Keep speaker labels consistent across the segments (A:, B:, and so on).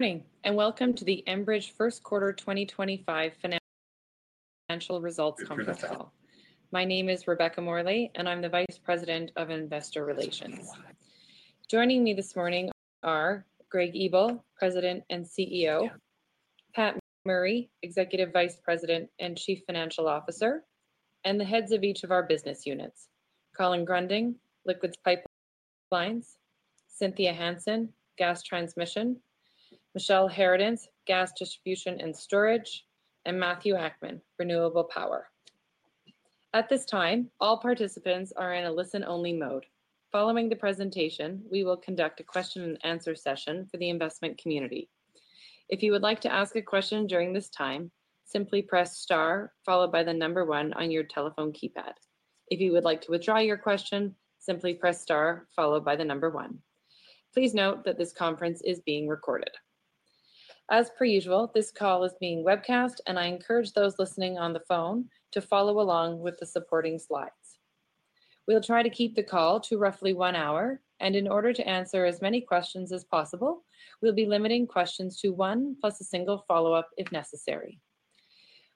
A: Morning, and welcome to the Enbridge First Quarter 2025 Financial Results Conference Call. My name is Rebecca Morley, and I'm the Vice President of Investor Relations. Joining me this morning are Greg Ebel, President and CEO; Pat Murray, Executive Vice President and Chief Financial Officer; and the heads of each of our business units: Colin Gruending, Liquids Pipelines, Cynthia Hansen, Gas Transmission, Michelle Harradence, Gas Distribution and Storage, and Matthew Akman, Renewable Power. At this time, all participants are in a listen-only mode. Following the presentation, we will conduct a question-and-answer session for the investment community. If you would like to ask a question during this time, simply press star followed by the number one on your telephone keypad. If you would like to withdraw your question, simply press star followed by the number one. Please note that this conference is being recorded. As per usual, this call is being webcast, and I encourage those listening on the phone to follow along with the supporting slides. We'll try to keep the call to roughly one hour, and in order to answer as many questions as possible, we'll be limiting questions to one plus a single follow-up if necessary.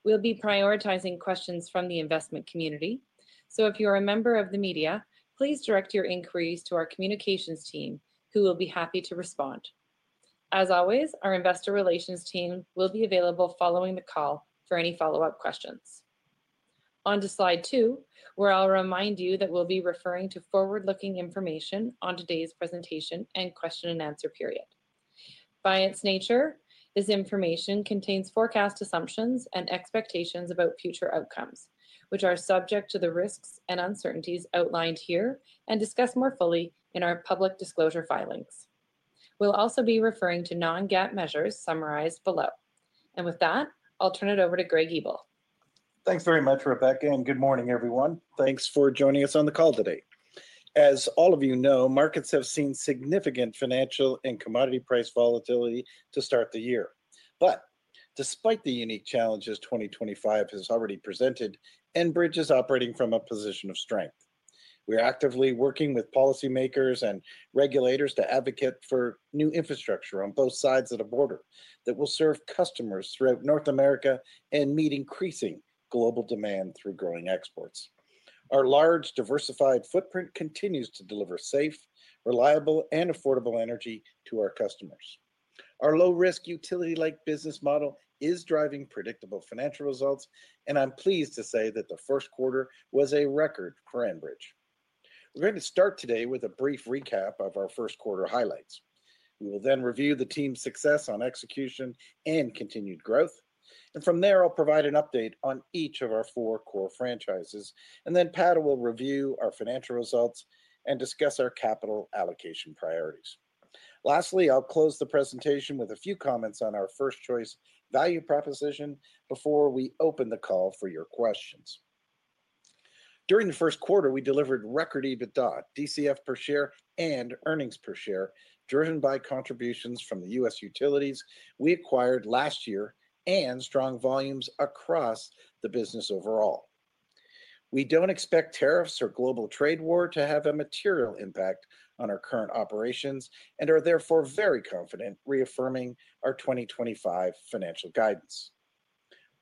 A: We'll be prioritizing questions from the investment community, so if you are a member of the media, please direct your inquiries to our communications team, who will be happy to respond. As always, our investor relations team will be available following the call for any follow-up questions. On to slide two, where I'll remind you that we'll be referring to forward-looking information on today's presentation and question-and-answer period. By its nature, this information contains forecast assumptions and expectations about future outcomes, which are subject to the risks and uncertainties outlined here and discussed more fully in our public disclosure filings. We will also be referring to non-GAAP measures summarized below. With that, I'll turn it over to Greg Ebel.
B: Thanks very much, Rebecca, and good morning, everyone. Thanks for joining us on the call today. As all of you know, markets have seen significant financial and commodity price volatility to start the year. Despite the unique challenges 2025 has already presented, Enbridge is operating from a position of strength. We are actively working with policymakers and regulators to advocate for new infrastructure on both sides of the border that will serve customers throughout North America and meet increasing global demand through growing exports. Our large, diversified footprint continues to deliver safe, reliable, and affordable energy to our customers. Our low-risk, utility-like business model is driving predictable financial results, and I am pleased to say that the first quarter was a record for Enbridge. We are going to start today with a brief recap of our first quarter highlights. We will then review the team's success on execution and continued growth. From there, I'll provide an update on each of our four core franchises, and then Pat will review our financial results and discuss our capital allocation priorities. Lastly, I'll close the presentation with a few comments on our first-choice value proposition before we open the call for your questions. During the first quarter, we delivered record EBITDA, DCF per share, and earnings per share, driven by contributions from the U.S. utilities we acquired last year and strong volumes across the business overall. We don't expect tariffs or global trade war to have a material impact on our current operations and are therefore very confident reaffirming our 2025 financial guidance.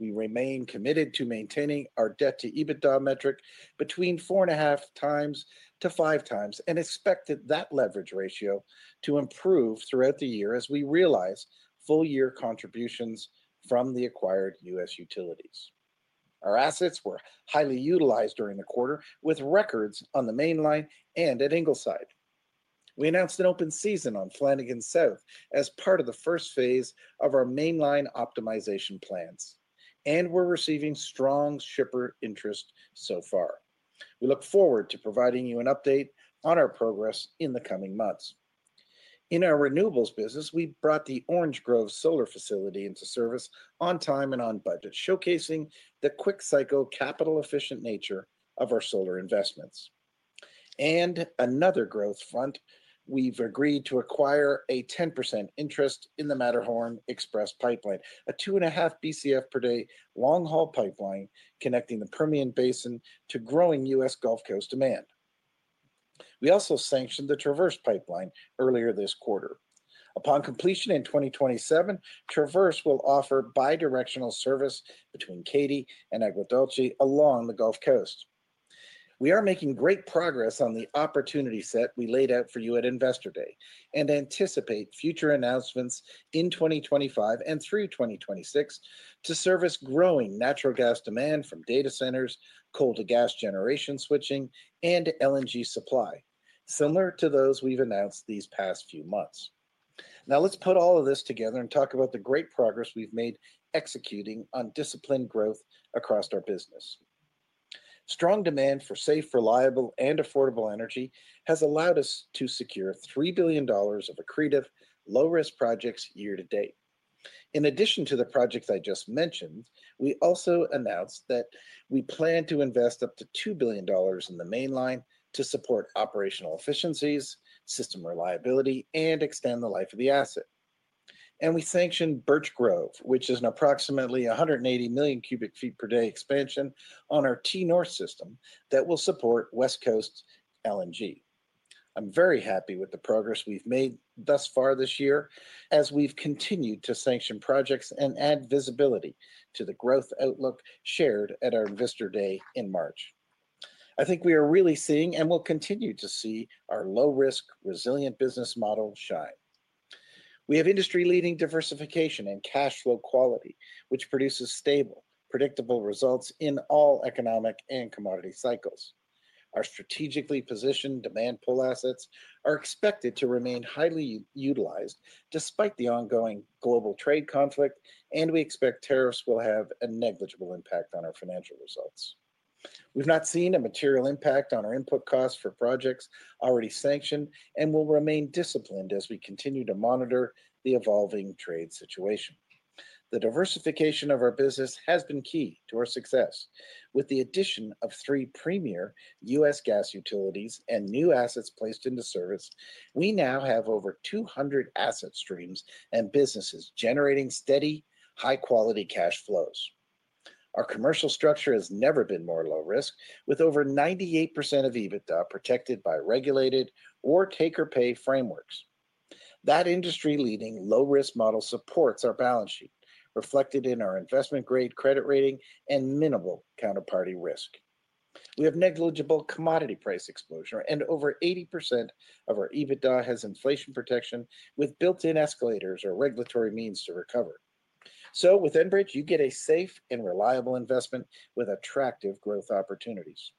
B: We remain committed to maintaining our debt-to-EBITDA metric between 4.5x-5x and expect that leverage ratio to improve throughout the year as we realize full-year contributions from the acquired U.S. utilities. Our assets were highly utilized during the quarter, with records on the Mainline and at Ingleside. We announced an open season on Flanagan South as part of the first phase of our Mainline optimization plans, and we're receiving strong shipper interest so far. We look forward to providing you an update on our progress in the coming months. In our renewables business, we brought the Orange Grove Solar Facility into service on time and on budget, showcasing the quick-cycle, capital-efficient nature of our solar investments. Another growth front, we've agreed to acquire a 10% interest in the Matterhorn Express Pipeline, a 2.5 BCF/d long-haul pipeline connecting the Permian Basin to growing U.S. Gulf Coast demand. We also sanctioned the Traverse Pipeline earlier this quarter. Upon completion in 2027, Traverse will offer bidirectional service between Katy and Agua Dulce along the Gulf Coast. We are making great progress on the opportunity set we laid out for you at Investor Day and anticipate future announcements in 2025 and through 2026 to service growing natural gas demand from data centers, coal-to-gas generation switching, and LNG supply, similar to those we've announced these past few months. Now, let's put all of this together and talk about the great progress we've made executing on disciplined growth across our business. Strong demand for safe, reliable, and affordable energy has allowed us to secure 3 billion dollars of accretive low-risk projects year to date. In addition to the projects I just mentioned, we also announced that we plan to invest up to 2 billion dollars in the mainline to support operational efficiencies, system reliability, and extend the life of the asset. We sanctioned Birch Grove, which is an approximately 180 million cubic feet per day expansion on our T-North system that will support West Coast LNG. I am very happy with the progress we have made thus far this year as we have continued to sanction projects and add visibility to the growth outlook shared at our Investor Day in March. I think we are really seeing and will continue to see our low-risk, resilient business model shine. We have industry-leading diversification and cash flow quality, which produces stable, predictable results in all economic and commodity cycles. Our strategically positioned demand pull assets are expected to remain highly utilized despite the ongoing global trade conflict, and we expect tariffs will have a negligible impact on our financial results. We've not seen a material impact on our input costs for projects already sanctioned and will remain disciplined as we continue to monitor the evolving trade situation. The diversification of our business has been key to our success. With the addition of three premier U.S. gas utilities and new assets placed into service, we now have over 200 asset streams and businesses generating steady, high-quality cash flows. Our commercial structure has never been more low-risk, with over 98% of EBITDA protected by regulated or take-or-pay frameworks. That industry-leading low-risk model supports our balance sheet, reflected in our investment-grade credit rating and minimal counterparty risk. We have negligible commodity price exposure, and over 80% of our EBITDA has inflation protection with built-in escalators or regulatory means to recover. With Enbridge, you get a safe and reliable investment with attractive growth opportunities.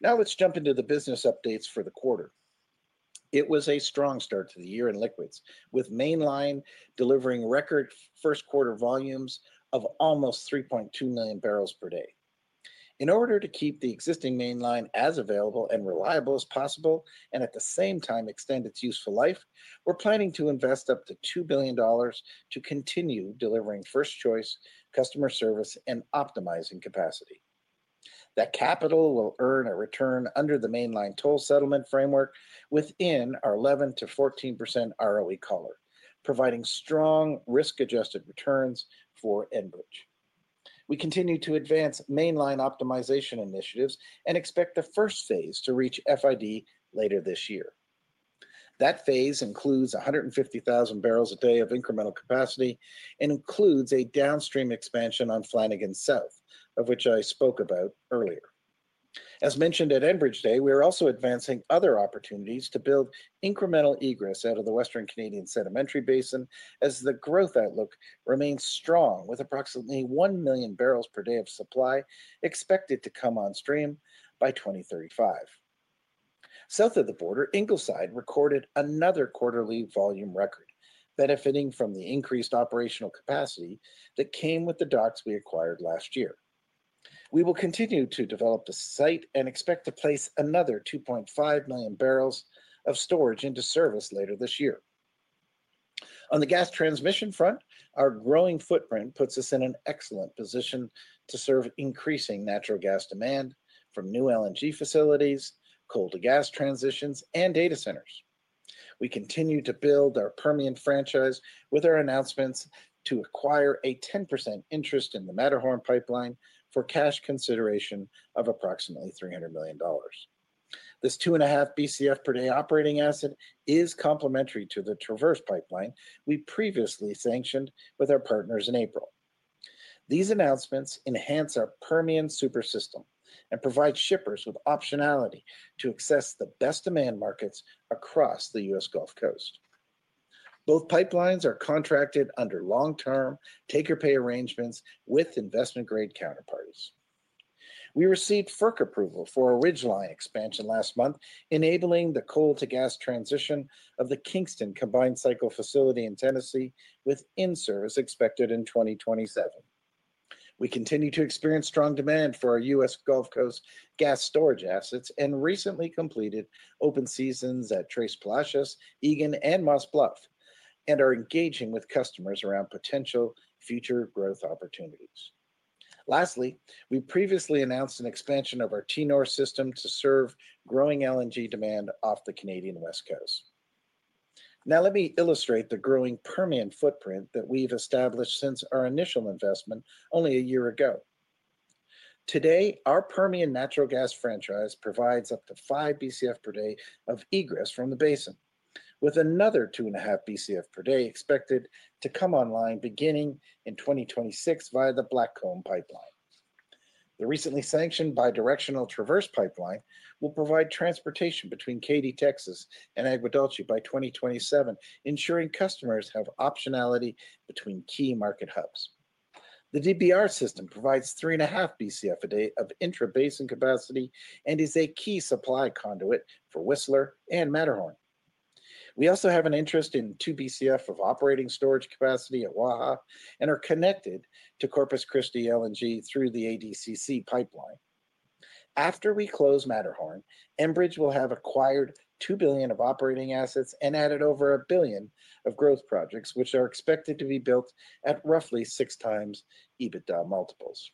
B: Now, let's jump into the business updates for the quarter. It was a strong start to the year in liquids, with Mainline delivering record first-quarter volumes of almost 3.2 million barrels per day. In order to keep the existing Mainline as available and reliable as possible and at the same time extend its useful life, we're planning to invest up to 2 billion dollars to continue delivering first-choice customer service and optimizing capacity. That capital will earn a return under the Mainline toll settlement framework within our 11%-14% ROE collar, providing strong risk-adjusted returns for Enbridge. We continue to advance Mainline optimization initiatives and expect the first phase to reach FID later this year. That phase includes 150,000 barrels a day of incremental capacity and includes a downstream expansion on Flanagan South, of which I spoke about earlier. As mentioned at Enbridge Day, we are also advancing other opportunities to build incremental egress out of the Western Canadian Sedimentary Basin as the growth outlook remains strong with approximately 1 million barrels per day of supply expected to come on stream by 2035. South of the border, Ingleside recorded another quarterly volume record, benefiting from the increased operational capacity that came with the docks we acquired last year. We will continue to develop the site and expect to place another 2.5 million barrels of storage into service later this year. On the gas transmission front, our growing footprint puts us in an excellent position to serve increasing natural gas demand from new LNG facilities, coal-to-gas transitions, and data centers. We continue to build our Permian franchise with our announcements to acquire a 10% interest in the Matterhorn pipeline for cash consideration of approximately $300 million. This 2.5 BCF/d operating asset is complementary to the Traverse Pipeline we previously sanctioned with our partners in April. These announcements enhance our Permian super system and provide shippers with optionality to access the best demand markets across the U.S. Gulf Coast. Both pipelines are contracted under long-term take-or-pay arrangements with investment-grade counterparties. We received FERC approval for a Ridgeline Expansion last month, enabling the coal-to-gas transition of the Kingston Combined Cycle facility in Tennessee, with in-service expected in 2027. We continue to experience strong demand for our U.S. Gulf Coast gas storage assets and recently completed open seasons at Tres Palacios, Egan, and Moss Bluff, and are engaging with customers around potential future growth opportunities. Lastly, we previously announced an expansion of our T-North System to serve growing LNG demand off the Canadian West Coast. Now, let me illustrate the growing Permian footprint that we've established since our initial investment only a year ago. Today, our Permian natural gas franchise provides up to 5 BCF/d of egress from the basin, with another 2.5 BCF/d expected to come online beginning in 2026 via the Blackcomb Pipeline. The recently sanctioned bidirectional Traverse Pipeline will provide transportation between Katy, Texas, and Agua Dulce by 2027, ensuring customers have optionality between key market hubs. The DBR system provides 3.5 BCF/d of intra-basin capacity and is a key supply conduit for Whistler and Matterhorn. We also have an interest in 2 BCF of operating storage capacity at Waha and are connected to Corpus Christi LNG through the ADCC Pipeline. After we close Matterhorn, Enbridge will have acquired $2 billion of operating assets and added over $1 billion of growth projects, which are expected to be built at roughly 6x EBITDA multiples.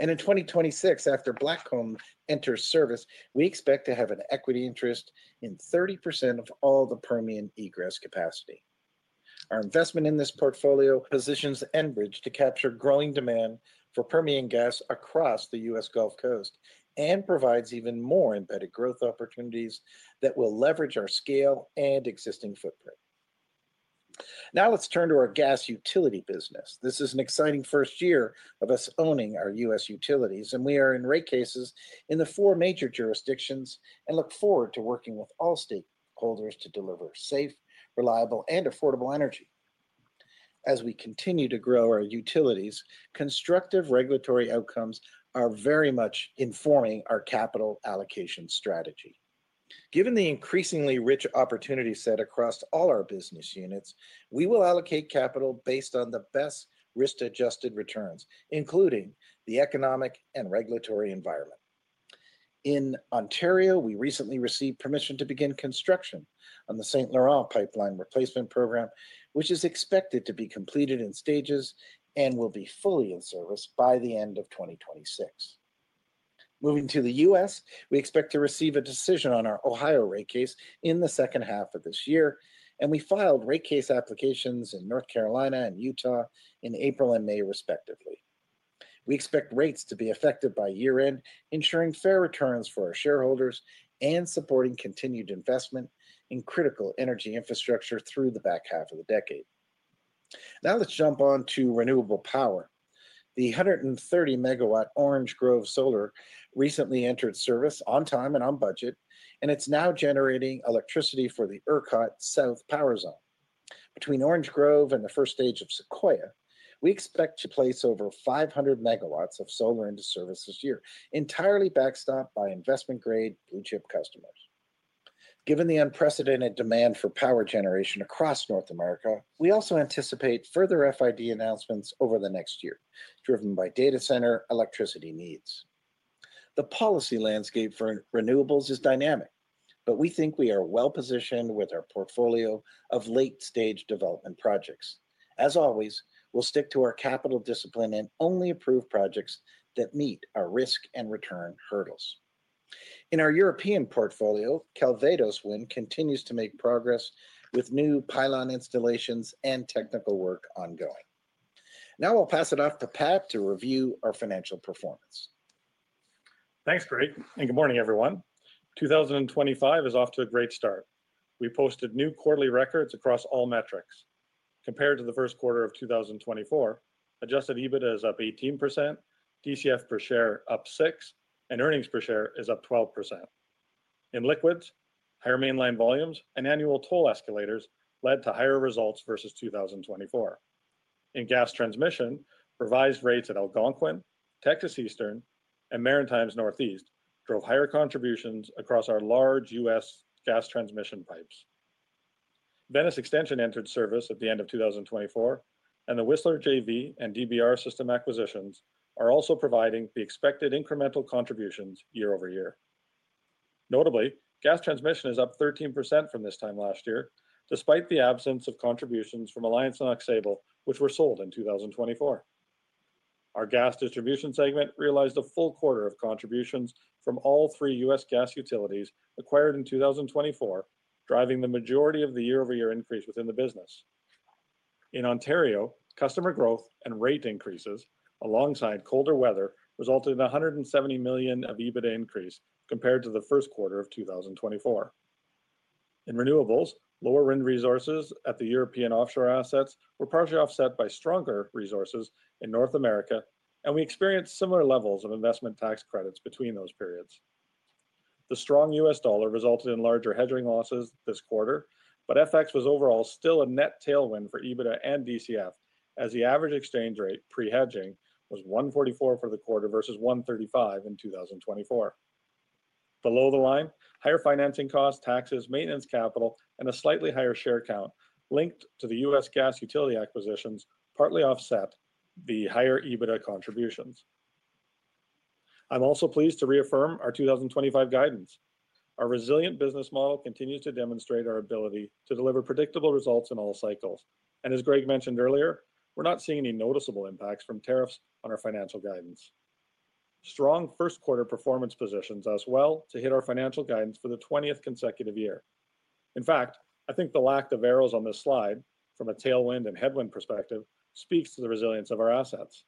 B: In 2026, after Blackcomb enters service, we expect to have an equity interest in 30% of all the Permian egress capacity. Our investment in this portfolio positions Enbridge to capture growing demand for Permian gas across the U.S. Gulf Coast and provides even more embedded growth opportunities that will leverage our scale and existing footprint. Now, let's turn to our gas utility business. This is an exciting first year of us owning our U.S. utilities, and we are in rate cases in the four major jurisdictions and look forward to working with all stakeholders to deliver safe, reliable, and affordable energy. As we continue to grow our utilities, constructive regulatory outcomes are very much informing our capital allocation strategy. Given the increasingly rich opportunity set across all our business units, we will allocate capital based on the best risk-adjusted returns, including the economic and regulatory environment. In Ontario, we recently received permission to begin construction on the St. Laurent pipeline replacement program, which is expected to be completed in stages and will be fully in service by the end of 2026. Moving to the U.S., we expect to receive a decision on our Ohio rate case in the second half of this year, and we filed rate case applications in North Carolina and Utah in April and May, respectively. We expect rates to be affected by year-end, ensuring fair returns for our shareholders and supporting continued investment in critical energy infrastructure through the back half of the decade. Now, let's jump on to renewable power. The 130-MW Orange Grove Solar recently entered service on time and on budget, and it's now generating electricity for the ERCOT South power zone. Between Orange Grove and the first stage of Sequoia, we expect to place over 500 MW of solar into service this year, entirely backstopped by investment-grade blue-chip customers. Given the unprecedented demand for power generation across North America, we also anticipate further FID announcements over the next year, driven by data center electricity needs. The policy landscape for renewables is dynamic, but we think we are well-positioned with our portfolio of late-stage development projects. As always, we'll stick to our capital discipline and only approve projects that meet our risk and return hurdles. In our European portfolio, Calvados Wind continues to make progress with new pylon installations and technical work ongoing. Now, I'll pass it off to Pat to review our financial performance.
C: Thanks, Greg, and good morning, everyone. 2025 is off to a great start. We posted new quarterly records across all metrics. Compared to the first quarter of 2024, adjusted EBITDA is up 18%, DCF per share up 6%, and earnings per share is up 12%. In liquids, higher Mainline volumes and annual toll escalators led to higher results versus 2024. In gas transmission, revised rates at Algonquin, Texas Eastern, and Maritimes & Northeast drove higher contributions across our large U.S. gas transmission pipes. Venice Extension entered service at the end of 2024, and the Whistler JV and DBR system acquisitions are also providing the expected incremental contributions year-over-year. Notably, gas transmission is up 13% from this time last year, despite the absence of contributions from Alliance and Aux Sable, which were sold in 2024. Our gas distribution segment realized a full quarter of contributions from all three U.S. gas utilities acquired in 2024, driving the majority of the year-over-year increase within the business. In Ontario, customer growth and rate increases alongside colder weather resulted in a 170 million of EBITDA increase compared to the first quarter of 2024. In renewables, lower wind resources at the European offshore assets were partially offset by stronger resources in North America, and we experienced similar levels of investment tax credits between those periods. The strong U.S. dollar resulted in larger hedging losses this quarter, but FX was overall still a net tailwind for EBITDA and DCF, as the average exchange rate pre-hedging was 1.44 for the quarter versus 1.35 in 2024. Below the line, higher financing costs, taxes, maintenance capital, and a slightly higher share count linked to the U.S. Gas utility acquisitions partly offset the higher EBITDA contributions. I'm also pleased to reaffirm our 2025 guidance. Our resilient business model continues to demonstrate our ability to deliver predictable results in all cycles. As Greg mentioned earlier, we're not seeing any noticeable impacts from tariffs on our financial guidance. Strong first-quarter performance positions us well to hit our financial guidance for the 20th consecutive year. In fact, I think the lack of barrels on this slide from a tailwind and headwind perspective speaks to the resilience of our assets.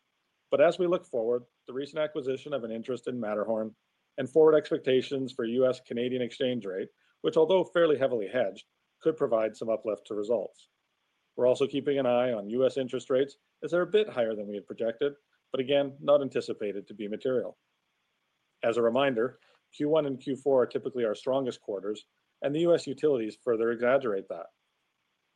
C: As we look forward, the recent acquisition of an interest in Matterhorn and forward expectations for U.S.-Canadian exchange rate, which, although fairly heavily hedged, could provide some uplift to results. We're also keeping an eye on U.S. interest rates as they're a bit higher than we had projected, but again, not anticipated to be material. As a reminder, Q1 and Q4 are typically our strongest quarters, and the U.S. utilities further exaggerate that.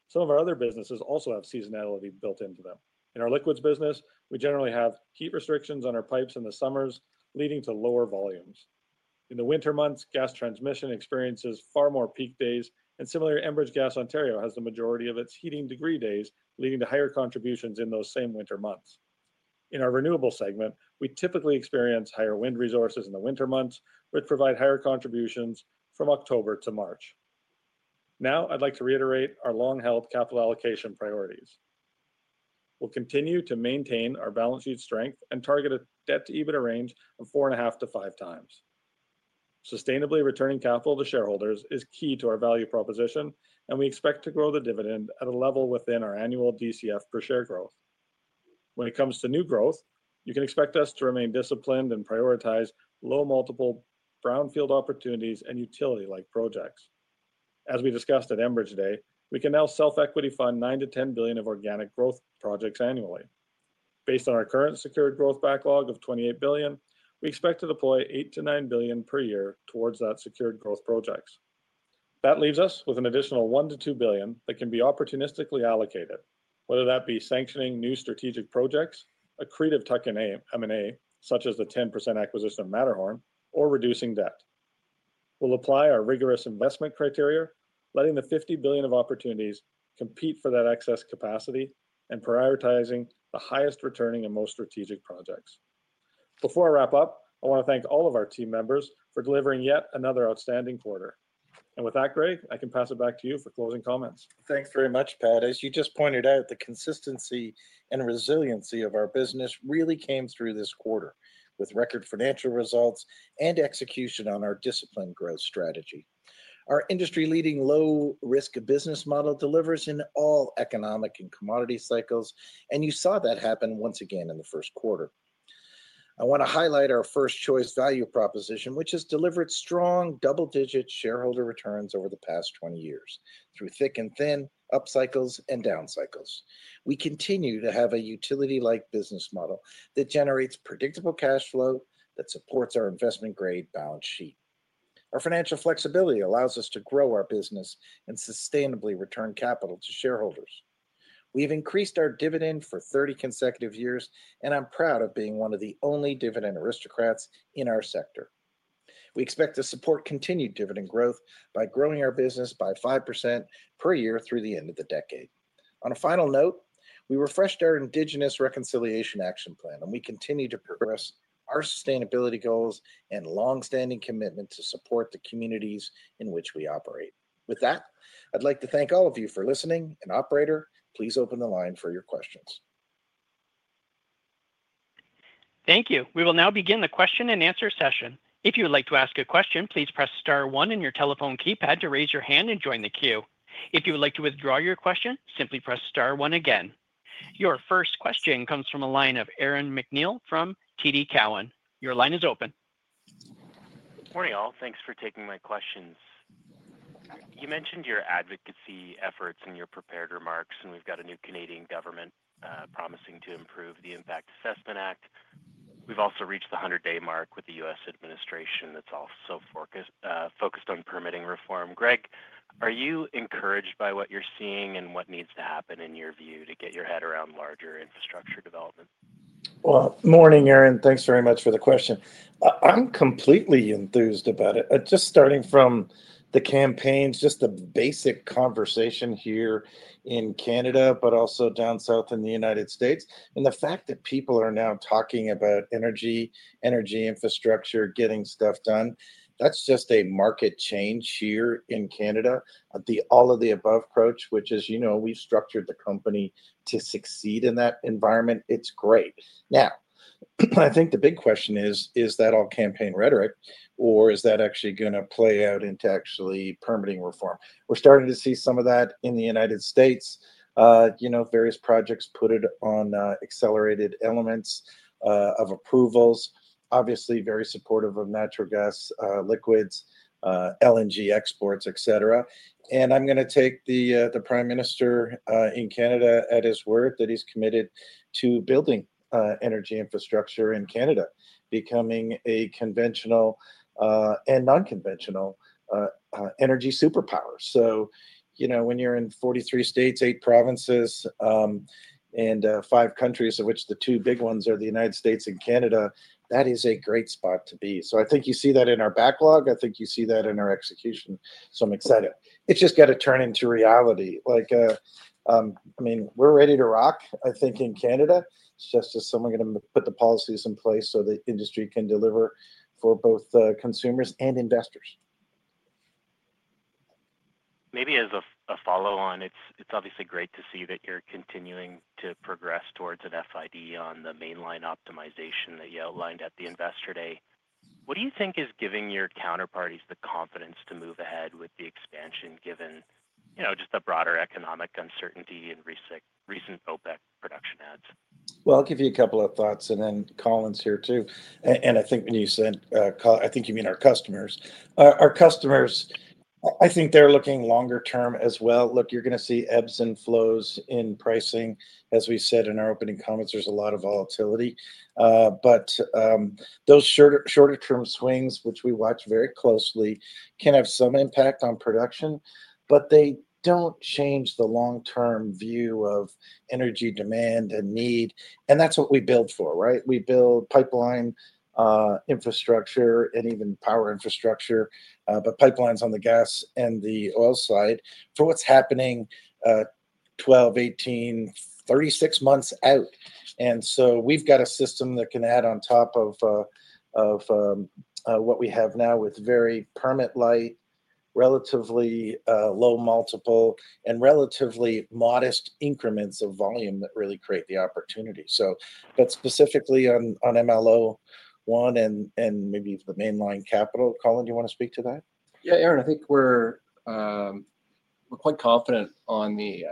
C: Some of our other businesses also have seasonality built into them. In our liquids business, we generally have heat restrictions on our pipes in the summers, leading to lower volumes. In the winter months, gas transmission experiences far more peak days, and similarly, Enbridge Gas Ontario has the majority of its heating degree days, leading to higher contributions in those same winter months. In our renewable segment, we typically experience higher wind resources in the winter months, which provide higher contributions from October to March. Now, I'd like to reiterate our long-held capital allocation priorities. We'll continue to maintain our balance sheet strength and target a debt-to-EBITDA range of 4.5x-5x. Sustainably returning capital to shareholders is key to our value proposition, and we expect to grow the dividend at a level within our annual DCF per share growth. When it comes to new growth, you can expect us to remain disciplined and prioritize low-multiple brownfield opportunities and utility-like projects. As we discussed at Enbridge Day, we can now self-equity fund 9 billion-10 billion of organic growth projects annually. Based on our current secured growth backlog of 28 billion, we expect to deploy 8 billion-9 billion per year towards that secured growth projects. That leaves us with an additional 1 billion-2 billion that can be opportunistically allocated, whether that be sanctioning new strategic projects, accretive tuck-in M&A such as the 10% acquisition of Matterhorn, or reducing debt. We'll apply our rigorous investment criteria, letting the 50 billion of opportunities compete for that excess capacity and prioritizing the highest returning and most strategic projects. Before I wrap up, I want to thank all of our team members for delivering yet another outstanding quarter. With that, Greg, I can pass it back to you for closing comments.
B: Thanks very much, Pat. As you just pointed out, the consistency and resiliency of our business really came through this quarter with record financial results and execution on our disciplined growth strategy. Our industry-leading low-risk business model delivers in all economic and commodity cycles, and you saw that happen once again in the first quarter. I want to highlight our first choice value proposition, which has delivered strong double-digit shareholder returns over the past 20 years through thick and thin, up cycles and down cycles. We continue to have a utility-like business model that generates predictable cash flow that supports our investment-grade balance sheet. Our financial flexibility allows us to grow our business and sustainably return capital to shareholders. We have increased our dividend for 30 consecutive years, and I'm proud of being one of the only dividend aristocrats in our sector. We expect to support continued dividend growth by growing our business by 5% per year through the end of the decade. On a final note, we refreshed our Indigenous Reconciliation Action Plan, and we continue to progress our sustainability goals and long-standing commitment to support the communities in which we operate. With that, I'd like to thank all of you for listening, and Operator, please open the line for your questions.
A: Thank you. We will now begin the question and answer session. If you would like to ask a question, please press star one on your telephone keypad to raise your hand and join the queue. If you would like to withdraw your question, simply press star one again. Your first question comes from a line of Aaron MacNeil from TD Cowen. Your line is open.
D: Good morning, all. Thanks for taking my questions. You mentioned your advocacy efforts in your prepared remarks, and we have a new Canadian government promising to improve the Impact Assessment Act. We have also reached the 100-day mark with the U.S. administration that is also focused on permitting reform. Greg, are you encouraged by what you are seeing and what needs to happen in your view to get your head around larger infrastructure development?
B: Morning, Aaron. Thanks very much for the question. I am completely enthused about it. Just starting from the campaigns, just the basic conversation here in Canada, but also down south in the United States, and the fact that people are now talking about energy, energy infrastructure, getting stuff done, that's just a market change here in Canada. All of the above, Coach, which is, you know, we've structured the company to succeed in that environment. It's great. Now, I think the big question is, is that all campaign rhetoric, or is that actually going to play out into actually permitting reform? We're starting to see some of that in the United States. You know, various projects put it on accelerated elements of approvals. Obviously, very supportive of natural gas, liquids, LNG exports, etc. I'm going to take the Prime Minister in Canada at his word that he's committed to building energy infrastructure in Canada, becoming a conventional and non-conventional energy superpower. You know, when you're in 43 states, eight provinces, and five countries, of which the two big ones are the United States and Canada, that is a great spot to be. I think you see that in our backlog. I think you see that in our execution. I'm excited. It's just got to turn into reality. I mean, we're ready to rock, I think, in Canada. It's just that someone's going to put the policies in place so the industry can deliver for both consumers and investors.
D: Maybe as a follow-on, it's obviously great to see that you're continuing to progress towards an FID on the mainline optimization that you outlined at the investor day. What do you think is giving your counterparties the confidence to move ahead with the expansion, given, you know, just the broader economic uncertainty and recent OPEC production ads?
B: I'll give you a couple of thoughts, and then Colin's here too. I think when you said, I think you mean our customers. Our customers, I think they're looking longer term as well. Look, you're going to see ebbs and flows in pricing. As we said in our opening comments, there's a lot of volatility. Those shorter-term swings, which we watch very closely, can have some impact on production, but they don't change the long-term view of energy demand and need. That's what we build for, right? We build pipeline infrastructure and even power infrastructure, but pipelines on the gas and the oil side for what's happening 12, 18, 36 months out. We've got a system that can add on top of what we have now with very permit-light, relatively low multiple, and relatively modest increments of volume that really create the opportunity. But specifically on MLO1 and maybe the mainline capital. Colin, do you want to speak to that?
E: Yeah, Aaron, I think we're quite confident on the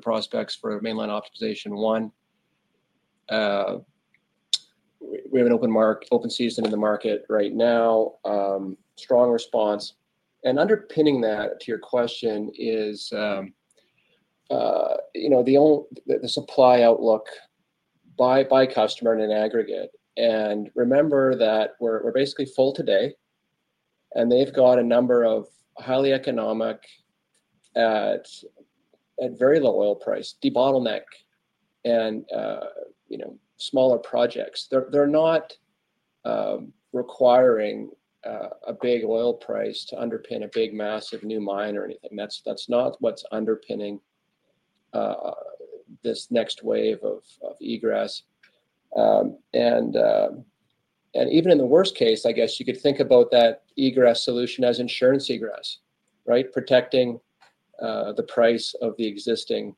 E: prospects for mainline optimization one. We have an open season in the market right now. Strong response. Underpinning that to your question is, you know, the supply outlook by customer in an aggregate. Remember that we're basically full today, and they've got a number of highly economic at very low oil price, debottleneck, and, you know, smaller projects. They're not requiring a big oil price to underpin a big massive new mine or anything. That's not what's underpinning this next wave of egress. Even in the worst case, I guess you could think about that egress solution as insurance egress, right? Protecting the price of the existing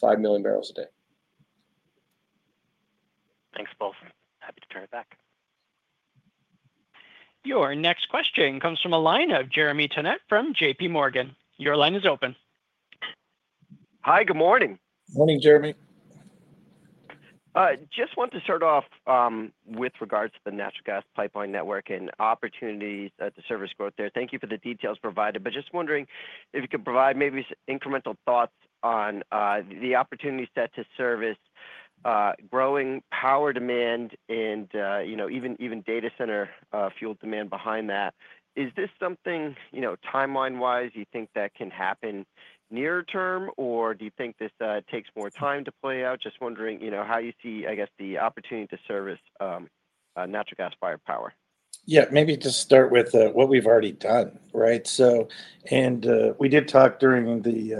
E: 5 million barrels a day.
D: Thanks, both. Happy to turn it back.
A: Your next question comes from a line of Jeremy Tonet from JPMorgan. Your line is open.
F: Hi, good morning.
B: Morning, Jeremy.
F: Just want to start off with regards to the natural gas pipeline network and opportunities at the service growth there. Thank you for the details provided, but just wondering if you could provide maybe some incremental thoughts on the opportunity set to service growing power demand and, you know, even data center fuel demand behind that. Is this something, you know, timeline-wise, you think that can happen near term, or do you think this takes more time to play out? Just wondering, you know, how you see, I guess, the opportunity to service natural gas firepower.
B: Yeah, maybe to start with what we've already done, right? We did talk during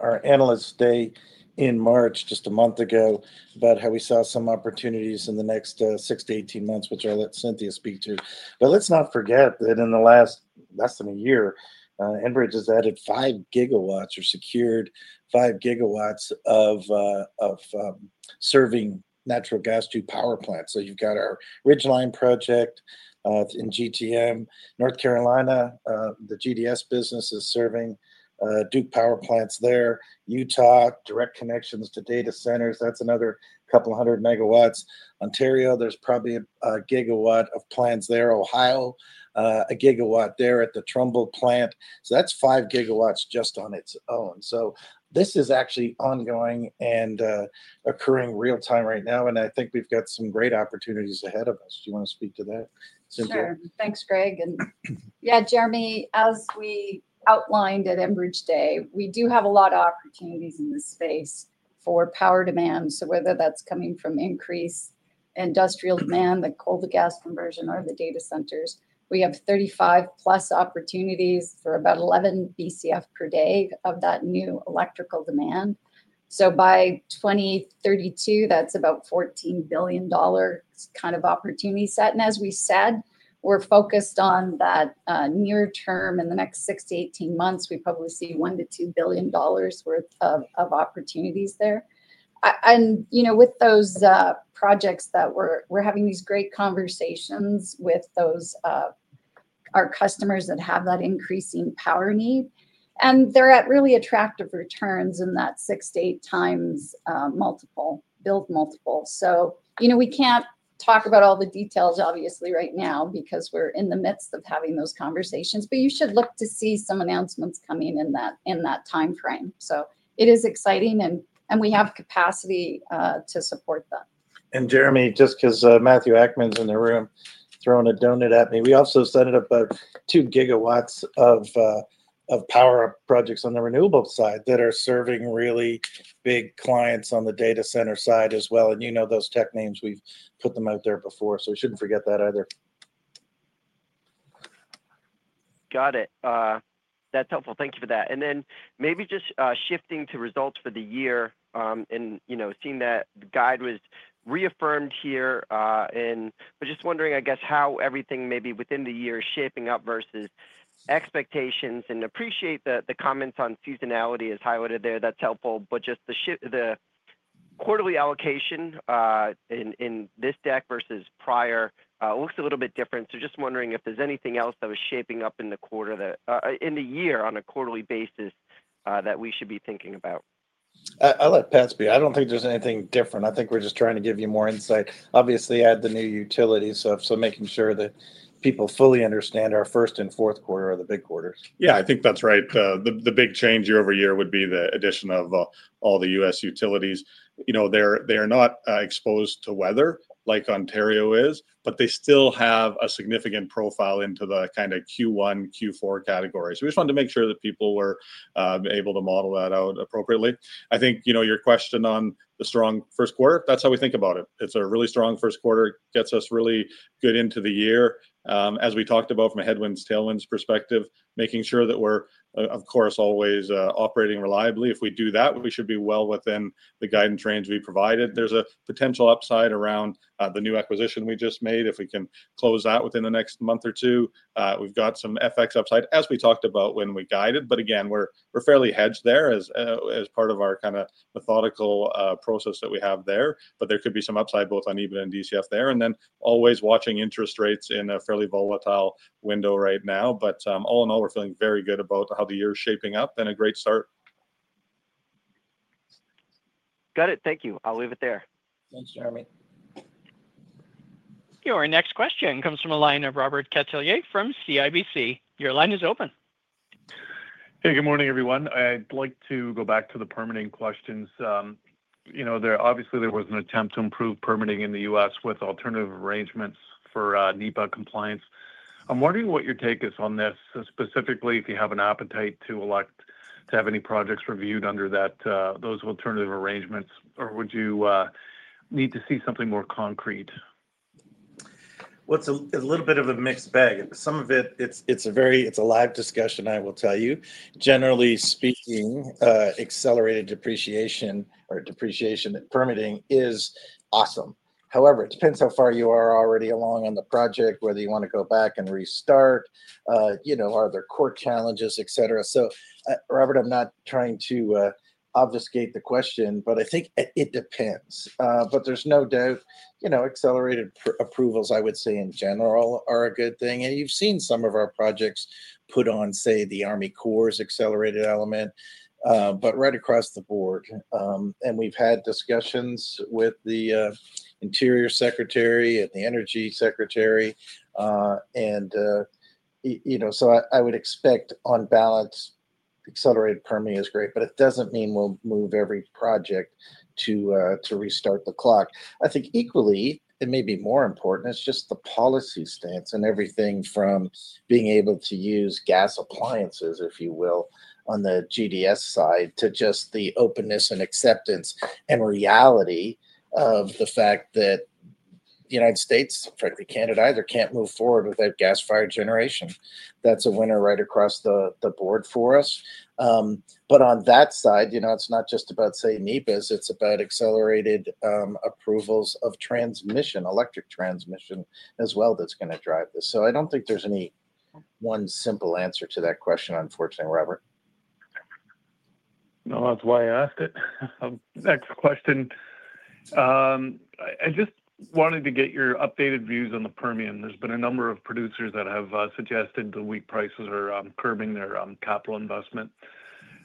B: our analyst day in March just a month ago about how we saw some opportunities in the next 6-18 months, which I'll let Cynthia speak to. Let's not forget that in the last less than a year, Enbridge has added 5 GW or secured 5 GW of serving natural gas to power plants. You've got our Ridgeline project in GTM, North Carolina, the GDS business is serving Duke Power Plants there, Utah, direct connections to data centers. That's another couple hundred megawatts. Ontario, there's probably a gigawatt of plants there. Ohio, a gigawatt there at the Trumbull plant. That's 5 GW just on its own. This is actually ongoing and occurring real time right now, and I think we've got some great opportunities ahead of us. Do you want to speak to that, Cynthia?
G: Sure. Thanks, Greg. Yeah, Jeremy, as we outlined at Enbridge Day, we do have a lot of opportunities in this space for power demand. Whether that's coming from increased industrial demand, the coal-to-gas conversion, or the data centers, we have 35 plus opportunities for about 11 BCF/d of that new electrical demand. By 2032, that's about 14 billion dollars kind of opportunity set. As we said, we're focused on that near term in the next 6-18 months. We probably see 1-2 billion dollars worth of opportunities there. With those projects, we're having these great conversations with our customers that have that increasing power need, and they're at really attractive returns in that 6x-8x multiple, build multiple. You know, we can't talk about all the details, obviously, right now because we're in the midst of having those conversations, but you should look to see some announcements coming in that timeframe. It is exciting, and we have capacity to support that.
B: And Jeremy, just because Matthew Akman is in the room throwing a donut at me, we also set up about 2 GW of power projects on the renewable side that are serving really big clients on the data center side as well. You know those tech names. We've put them out there before, so we shouldn't forget that either.
F: Got it. That's helpful. Thank you for that. Maybe just shifting to results for the year and, you know, seeing that the guide was reaffirmed here. I'm just wondering, I guess, how everything maybe within the year is shaping up versus expectations and appreciate the comments on seasonality as highlighted there. That's helpful. The quarterly allocation in this deck versus prior looks a little bit different. Just wondering if there's anything else that was shaping up in the quarter that in the year on a quarterly basis that we should be thinking about.
B: I'll let Pat be. I don't think there's anything different. I think we're just trying to give you more insight. Obviously, add the new utilities, so making sure that people fully understand our first and fourth quarter are the big quarters.
C: Yeah, I think that's right. The big change year-over-year would be the addition of all the U.S. utilities. You know, they are not exposed to weather like Ontario is, but they still have a significant profile into the kind of Q1, Q4 category. We just wanted to make sure that people were able to model that out appropriately. I think, you know, your question on the strong first quarter, that's how we think about it. It's a really strong first quarter. It gets us really good into the year. As we talked about from a headwinds, tailwinds perspective, making sure that we're, of course, always operating reliably. If we do that, we should be well within the guidance range we provided. There's a potential upside around the new acquisition we just made. If we can close that within the next month or two, we've got some FX upside, as we talked about when we guided. Again, we're fairly hedged there as part of our kind of methodical process that we have there. There could be some upside both on EBIT and DCF there. Always watching interest rates in a fairly volatile window right now. All in all, we're feeling very good about how the year is shaping up and a great start.
F: Got it. Thank you. I'll leave it there.
B: Thanks, Jeremy.
A: Your next question comes from a line of Robert Catellier from CIBC. Your line is open.
H: Hey, good morning, everyone. I'd like to go back to the permitting questions. You know, obviously, there was an attempt to improve permitting in the U.S. with alternative arrangements for NEPA compliance. I'm wondering what your take is on this, specifically if you have an appetite to elect to have any projects reviewed under those alternative arrangements, or would you need to see something more concrete?
B: It's a little bit of a mixed bag. Some of it, it's a very, it's a live discussion, I will tell you. Generally speaking, accelerated depreciation or depreciation permitting is awesome. However, it depends how far you are already along on the project, whether you want to go back and restart, you know, are there core challenges, etc. So, Robert, I'm not trying to obfuscate the question, but I think it depends. There's no doubt, you know, accelerated approvals, I would say in general, are a good thing. You've seen some of our projects put on, say, the Army Corps accelerated element, but right across the board. We have had discussions with the Interior Secretary, the Energy Secretary, and, you know, I would expect on balance, accelerated permitting is great, but it does not mean we will move every project to restart the clock. I think equally, it may be more important, it is just the policy stance and everything from being able to use gas appliances, if you will, on the GDS side to just the openness and acceptance and reality of the fact that the United States, frankly, Canada either cannot move forward without gas fired generation. That is a winner right across the board for us. On that side, you know, it is not just about, say, NEPA, it is about accelerated approvals of transmission, electric transmission as well, that is going to drive this. I do not think there is any one simple answer to that question, unfortunately, Robert.
H: No, that is why I asked it. Next question. I just wanted to get your updated views on the Permian. There's been a number of producers that have suggested the weak prices are curbing their capital investment.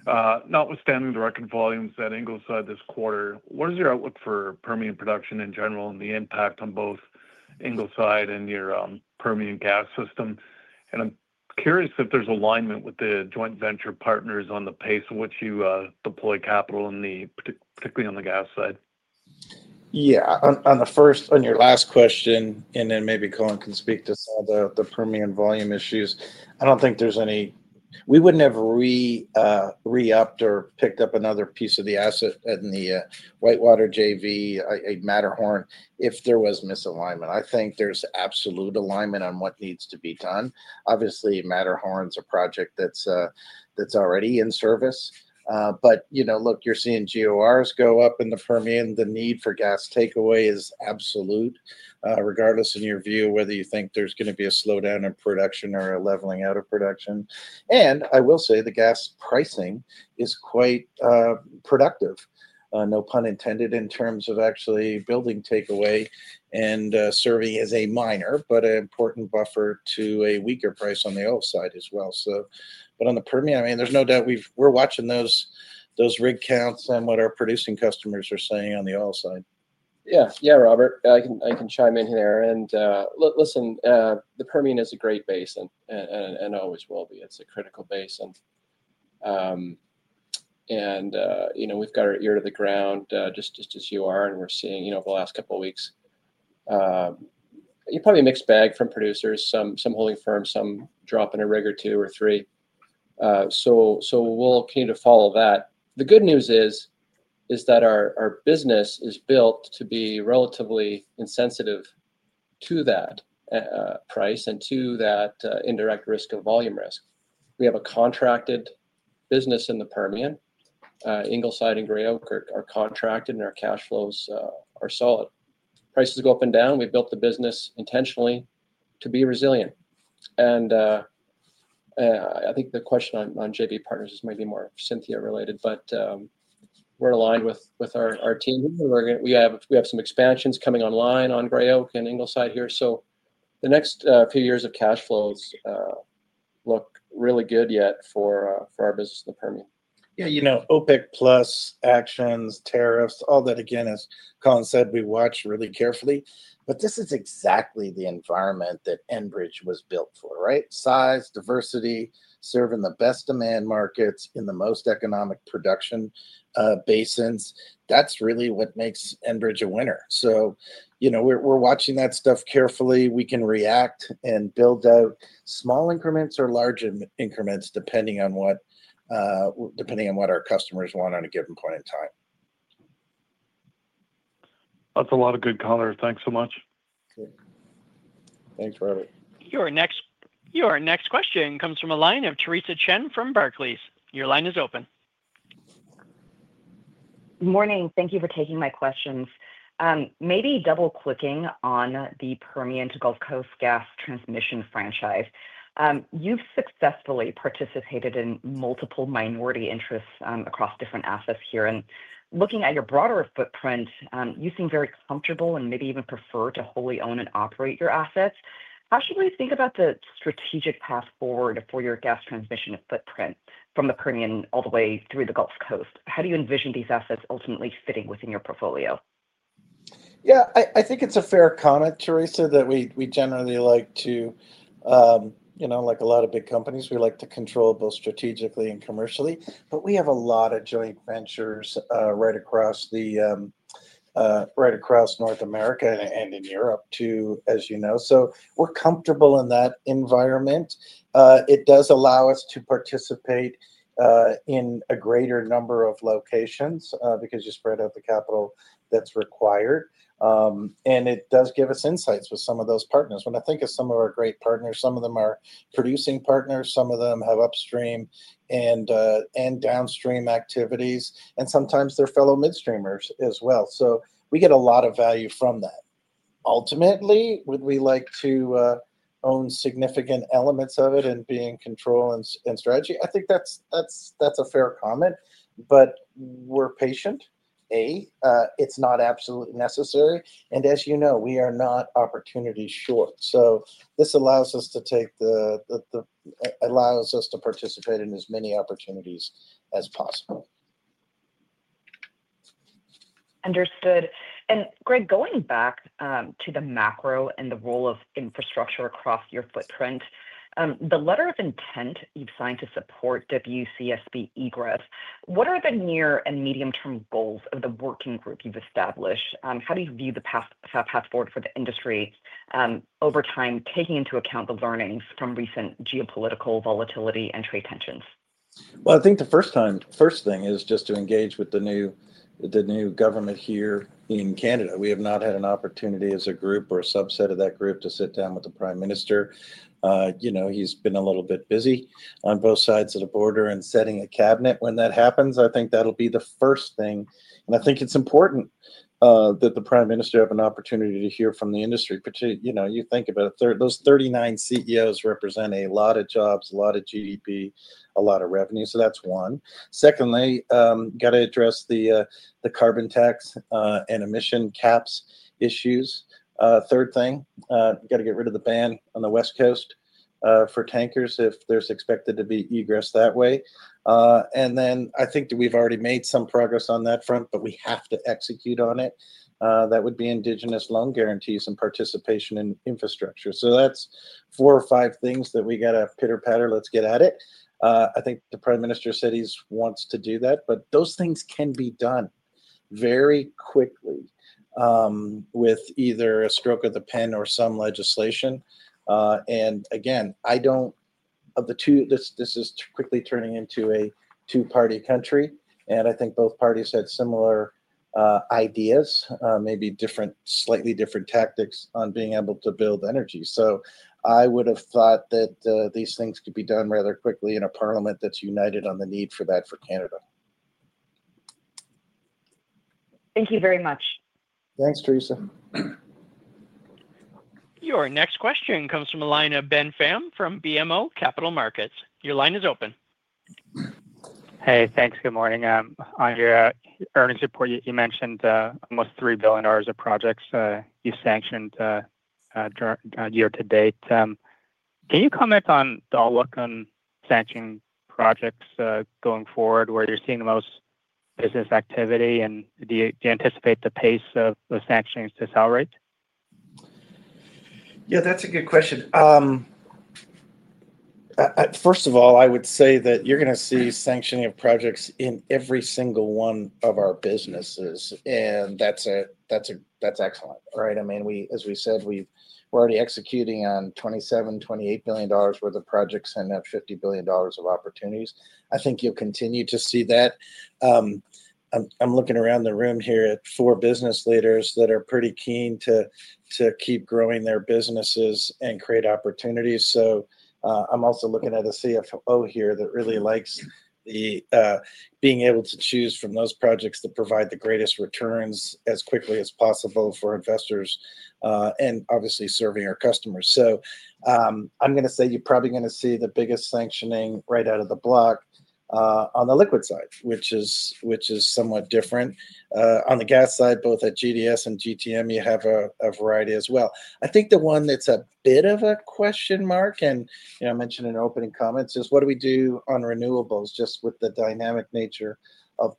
H: Notwithstanding the record volumes at Ingleside this quarter, what is your outlook for Permian production in general and the impact on both Ingleside and your Permian gas system? I'm curious if there's alignment with the joint venture partners on the pace in which you deploy capital, particularly on the gas side.
B: Yeah, on your last question, and then maybe Colin can speak to some of the Permian volume issues. I don't think there's any, we wouldn't have re-upped or picked up another piece of the asset in the Whitewater JV, Matterhorn, if there was misalignment. I think there's absolute alignment on what needs to be done. Obviously, Matterhorn's a project that's already in service. You know, look, you're seeing GORs go up in the Permian. The need for gas takeaway is absolute, regardless in your view, whether you think there's going to be a slowdown in production or a leveling out of production. I will say the gas pricing is quite productive, no pun intended, in terms of actually building takeaway and serving as a minor, but an important buffer to a weaker price on the oil side as well. On the Permian, I mean, there's no doubt we're watching those rig counts and what our producing customers are saying on the oil side.
E: Yeah, yeah, Robert, I can chime in here. Listen, the Permian is a great basin and always will be. It's a critical basin. You know, we've got our ear to the ground just as you are, and we're seeing, you know, the last couple of weeks, you probably mixed bag from producers, some holding firm, some dropping a rig or two or three. We will continue to follow that. The good news is that our business is built to be relatively insensitive to that price and to that indirect risk of volume risk. We have a contracted business in the Permian. Ingleside and Gray Oak are contracted, and our cash flows are solid. Prices go up and down. We've built the business intentionally to be resilient. I think the question on JB Partners is maybe more Cynthia related, but we're aligned with our team. We have some expansions coming online on Gray Oak and Ingleside here. The next few years of cash flows look really good yet for our business in the Permian.
B: Yeah, you know, OPEC Plus, actions, tariffs, all that, again, as Colin said, we watch really carefully. This is exactly the environment that Enbridge was built for, right? Size, diversity, serving the best demand markets in the most economic production basins. That is really what makes Enbridge a winner. You know, we are watching that stuff carefully. We can react and build out small increments or large increments depending on what our customers want on a given point in time. That is a lot of good, Connor. Thanks so much.
E: Thanks, Robert.
A: Your next question comes from a line of Theresa Chen from Barclays. Your line is open.
I: Good morning. Thank you for taking my questions. Maybe double-clicking on the Permian to Gulf Coast gas transmission franchise. You've successfully participated in multiple minority interests across different assets here. Looking at your broader footprint, you seem very comfortable and maybe even prefer to wholly own and operate your assets. How should we think about the strategic path forward for your gas transmission footprint from the Permian all the way through the Gulf Coast? How do you envision these assets ultimately fitting within your portfolio?
B: Yeah, I think it's a fair comment, Teresa, that we generally like to, you know, like a lot of big companies, we like to control both strategically and commercially. We have a lot of joint ventures right across North America and in Europe too, as you know. We're comfortable in that environment. It does allow us to participate in a greater number of locations because you spread out the capital that's required. It does give us insights with some of those partners. When I think of some of our great partners, some of them are producing partners, some of them have upstream and downstream activities, and sometimes they're fellow midstreamers as well. We get a lot of value from that. Ultimately, would we like to own significant elements of it and be in control and strategy? I think that's a fair comment. We're patient. A, it's not absolutely necessary. As you know, we are not opportunity short. This allows us to participate in as many opportunities as possible.
I: Understood. Greg, going back to the macro and the role of infrastructure across your footprint, the letter of intent you've signed to support WCSB egress, what are the near and medium-term goals of the working group you've established? How do you view the path forward for the industry over time, taking into account the learnings from recent geopolitical volatility and trade tensions?
B: I think the first thing is just to engage with the new government here in Canada. We have not had an opportunity as a group or a subset of that group to sit down with the Prime Minister. You know, he's been a little bit busy on both sides of the border and setting a cabinet when that happens. I think that'll be the first thing. I think it's important that the Prime Minister have an opportunity to hear from the industry. You know, you think about those 39 CEOs represent a lot of jobs, a lot of GDP, a lot of revenue. So that's one. Secondly, got to address the carbon tax and emission caps issues. Third thing, got to get rid of the ban on the West Coast for tankers if there's expected to be egress that way. I think that we've already made some progress on that front, but we have to execute on it. That would be indigenous loan guarantees and participation in infrastructure. So that's four or five things that we got to pitter-patter. Let's get at it. I think the Prime Minister said he wants to do that, but those things can be done very quickly with either a stroke of the pen or some legislation. Again, I don't, this is quickly turning into a two-party country. I think both parties had similar ideas, maybe different, slightly different tactics on being able to build energy. I would have thought that these things could be done rather quickly in a parliament that's united on the need for that for Canada.
I: Thank you very much.
B: Thanks, Teresa.
A: Your next question comes from a line of Ben Pham from BMO Capital Markets. Your line is open.
J: Hey, thanks. Good morning. On your earnings report, you mentioned almost 3 billion dollars of projects you sanctioned year to date. Can you comment on the outlook on sanctioning projects going forward, where you're seeing the most business activity, and do you anticipate the pace of the sanctions to accelerate?
B: Yeah, that's a good question. First of all, I would say that you're going to see sanctioning of projects in every single one of our businesses. And that's excellent, right? I mean, as we said, we're already executing on 27 billion-28 billion dollars worth of projects and have 50 billion dollars of opportunities. I think you'll continue to see that. I'm looking around the room here at four business leaders that are pretty keen to keep growing their businesses and create opportunities. I'm also looking at a CFO here that really likes being able to choose from those projects to provide the greatest returns as quickly as possible for investors and obviously serving our customers. I'm going to say you're probably going to see the biggest sanctioning right out of the block on the liquid side, which is somewhat different. On the gas side, both at GDS and GTM, you have a variety as well. I think the one that's a bit of a question mark, and I mentioned in opening comments, is what do we do on renewables just with the dynamic nature of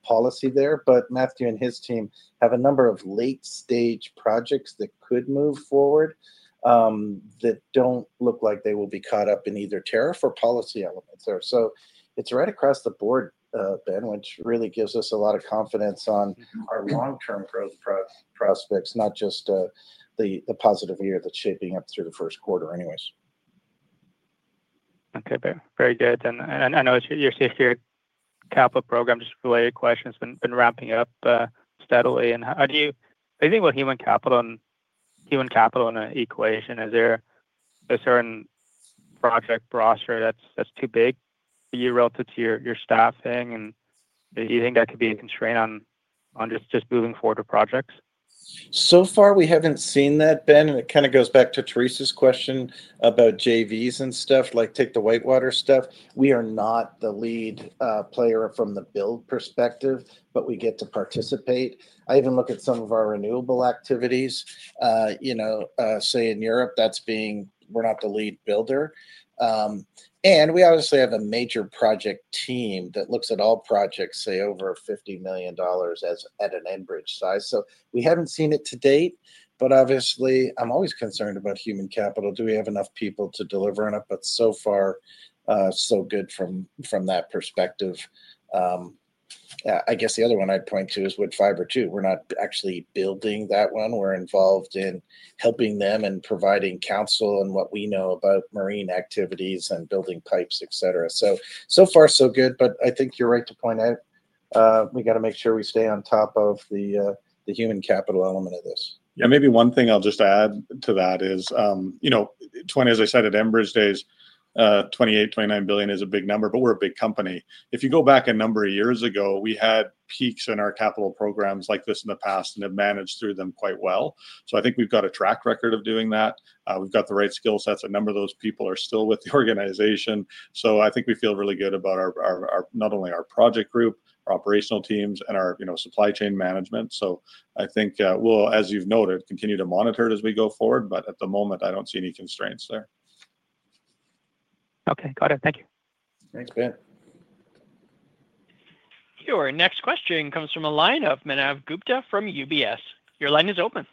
B: policy there. Matthew and his team have a number of late-stage projects that could move forward that do not look like they will be caught up in either tariff or policy elements. It is right across the board, Ben, which really gives us a lot of confidence on our long-term growth prospects, not just the positive year that is shaping up through the first quarter anyways.
J: Okay, very good. I know your Cynthia Kappa program, just related questions, has been wrapping up steadily. I think with human capital and human capital in the equation, is there a certain project roster that is too big for you relative to your staffing? Do you think that could be a constraint on just moving forward to projects?
B: So far, we have not seen that, Ben. It kind of goes back to Teresa's question about JVs and stuff, like take the Whitewater stuff. We are not the lead player from the build perspective, but we get to participate. I even look at some of our renewable activities, you know, say in Europe, that's being we're not the lead builder. And we obviously have a major project team that looks at all projects, say, over 50 million dollars at an Enbridge size. So we haven't seen it to date, but obviously, I'm always concerned about human capital. Do we have enough people to deliver on it? But so far, so good from that perspective. I guess the other one I'd point to is Woodfibre too. We're not actually building that one. We're involved in helping them and providing counsel on what we know about marine activities and building pipes, etc. So far, so good. I think you're right to point out we got to make sure we stay on top of the human capital element of this.
C: Yeah, maybe one thing I'll just add to that is, you know, as I said, at Enbridge days, 28 billion-29 billion is a big number, but we're a big company. If you go back a number of years ago, we had peaks in our capital programs like this in the past and have managed through them quite well. I think we've got a track record of doing that. We've got the right skill sets. A number of those people are still with the organization. I think we feel really good about not only our project group, our operational teams, and our supply chain management. I think we'll, as you've noted, continue to monitor it as we go forward. At the moment, I do not see any constraints there.
J: Okay, got it. Thank you.
B: Thanks, Ben.
A: Your next question comes from a line of Manav Gupta from UBS. Your line is open.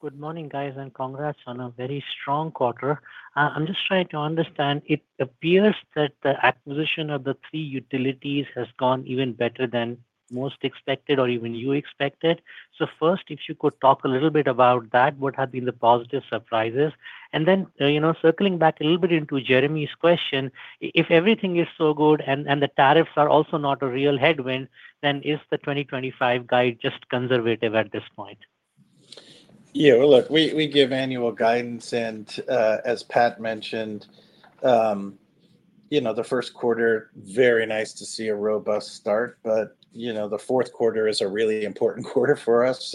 K: Good morning, guys, and congrats on a very strong quarter. I am just trying to understand. It appears that the acquisition of the three utilities has gone even better than most expected or even you expected. First, if you could talk a little bit about that, what have been the positive surprises? And then, you know, circling back a little bit into Jeremy's question, if everything is so good and the tariffs are also not a real headwind, then is the 2025 guide just conservative at this point?
B: Yeah, look, we give annual guidance. As Pat mentioned, you know, the first quarter, very nice to see a robust start. You know, the fourth quarter is a really important quarter for us.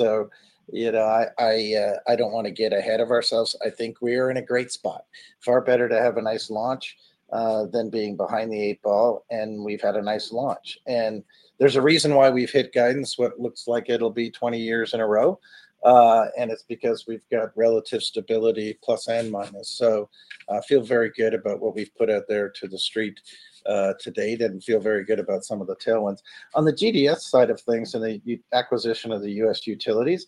B: You know, I do not want to get ahead of ourselves. I think we are in a great spot. Far better to have a nice launch than being behind the eight ball. We have had a nice launch. There is a reason why we have hit guidance, what looks like it will be 20 years in a row. It is because we have got relative stability plus and minus. I feel very good about what we have put out there to the street to date and feel very good about some of the tailwinds. On the GDS side of things and the acquisition of the U.S. utilities,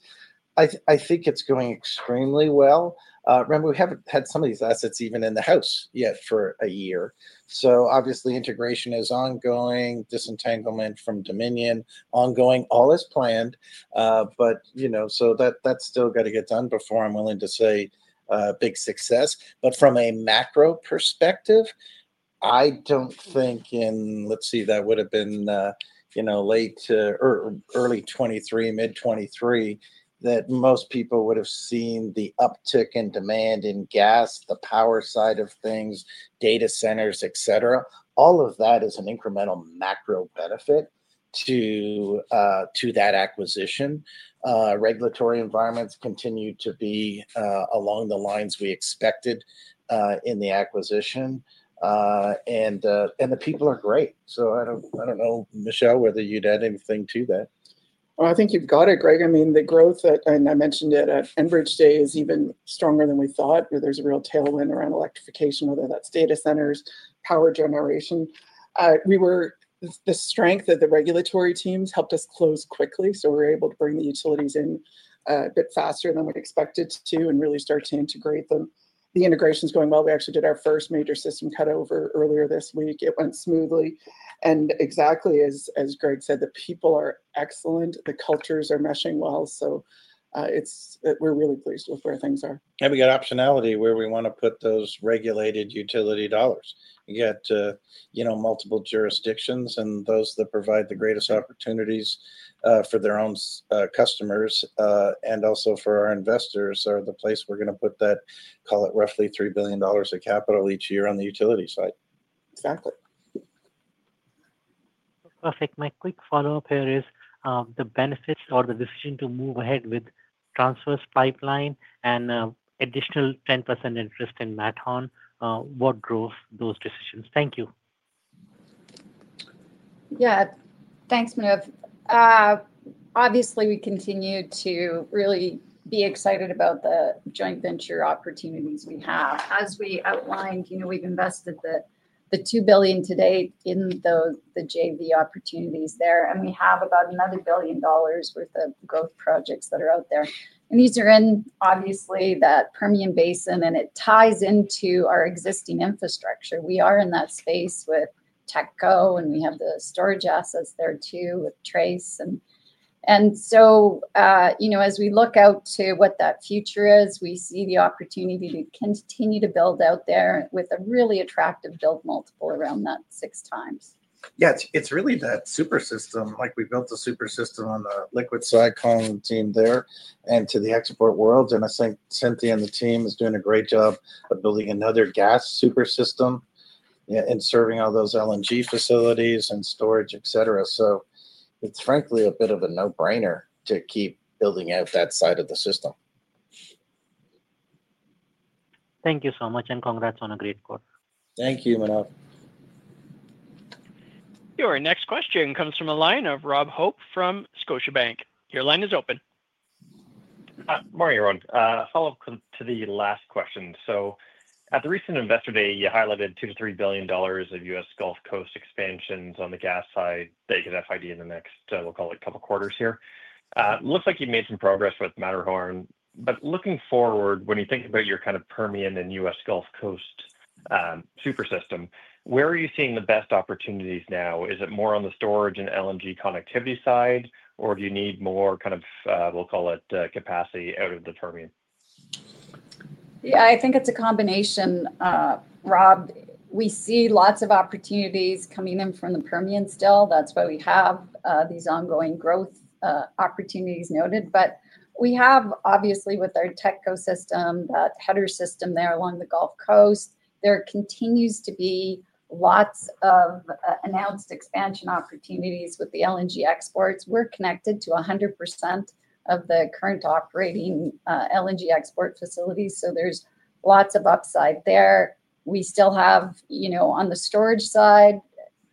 B: I think it is going extremely well. Remember, we have not had some of these assets even in the house yet for a year. Obviously, integration is ongoing, disentanglement from Dominion ongoing, all as planned. But, you know, that's still got to get done before I'm willing to say big success. From a macro perspective, I don't think in, let's see, that would have been, you know, late or early 2023, mid 2023, that most people would have seen the uptick in demand in gas, the power side of things, data centers, etc. All of that is an incremental macro benefit to that acquisition. Regulatory environments continue to be along the lines we expected in the acquisition. The people are great. I don't know, Michelle, whether you'd add anything to that.
L: I think you've got it, Greg. I mean, the growth that I mentioned at Enbridge Day is even stronger than we thought. There's a real tailwind around electrification, whether that's data centers, power generation. The strength of the regulatory teams helped us close quickly. We are able to bring the utilities in a bit faster than we expected to and really start to integrate them. The integration is going well. We actually did our first major system cutover earlier this week. It went smoothly. Exactly as Greg said, the people are excellent. The cultures are meshing well. We are really pleased with where things are.
B: We got optionality where we want to put those regulated utility dollars. You get, you know, multiple jurisdictions and those that provide the greatest opportunities for their own customers and also for our investors are the place we are going to put that, call it roughly 3 billion dollars of capital each year on the utility side.
L: Exactly. Perfect.
K: My quick follow-up here is the benefits or the decision to move ahead with Traverse Pipeline and additional 10% interest in Matterhorn. What drove those decisions? Thank you.
G: Yeah, thanks, Manav. Obviously, we continue to really be excited about the joint venture opportunities we have. As we outlined, you know, we've invested the 2 billion to date in the JV opportunities there. And we have about another 1 billion dollars worth of growth projects that are out there. And these are in, obviously, that Permian Basin. It ties into our existing infrastructure. We are in that space with DBR, and we have the storage assets there too with Sequoia. As we look out to what that future is, we see the opportunity to continue to build out there with a really attractive build multiple around that 6x.
B: Yeah, it's really that super system. Like we built a super system on the liquid side calling team there and to the export world. I think Cynthia and the team is doing a great job of building another gas super system and serving all those LNG facilities and storage, etc. It is frankly a bit of a no-brainer to keep building out that side of the system.
K: Thank you so much and congrats on a great quarter.
B: Thank you, Manav.
A: Your next question comes from a line of Rob Hope from Scotiabank. Your line is open.
M: Morning, everyone. Follow-up to the last question. At the recent investor day, you highlighted 2 billion-3 billion dollars of U.S. Gulf Coast expansions on the gas side that you could FID in the next, we'll call it a couple of quarters here. Looks like you've made some progress with Matterhorn. Looking forward, when you think about your kind of Permian and U.S. Gulf Coast super system, where are you seeing the best opportunities now? Is it more on the storage and LNG connectivity side, or do you need more kind of, we'll call it, capacity out of the Permian?
G: Yeah, I think it's a combination. Rob, we see lots of opportunities coming in from the Permian still. That's why we have these ongoing growth opportunities noted. We have, obviously, with our TECCO system, that header system there along the Gulf Coast, there continues to be lots of announced expansion opportunities with the LNG exports. We're connected to 100% of the current operating LNG export facilities. There's lots of upside there. We still have, you know, on the storage side,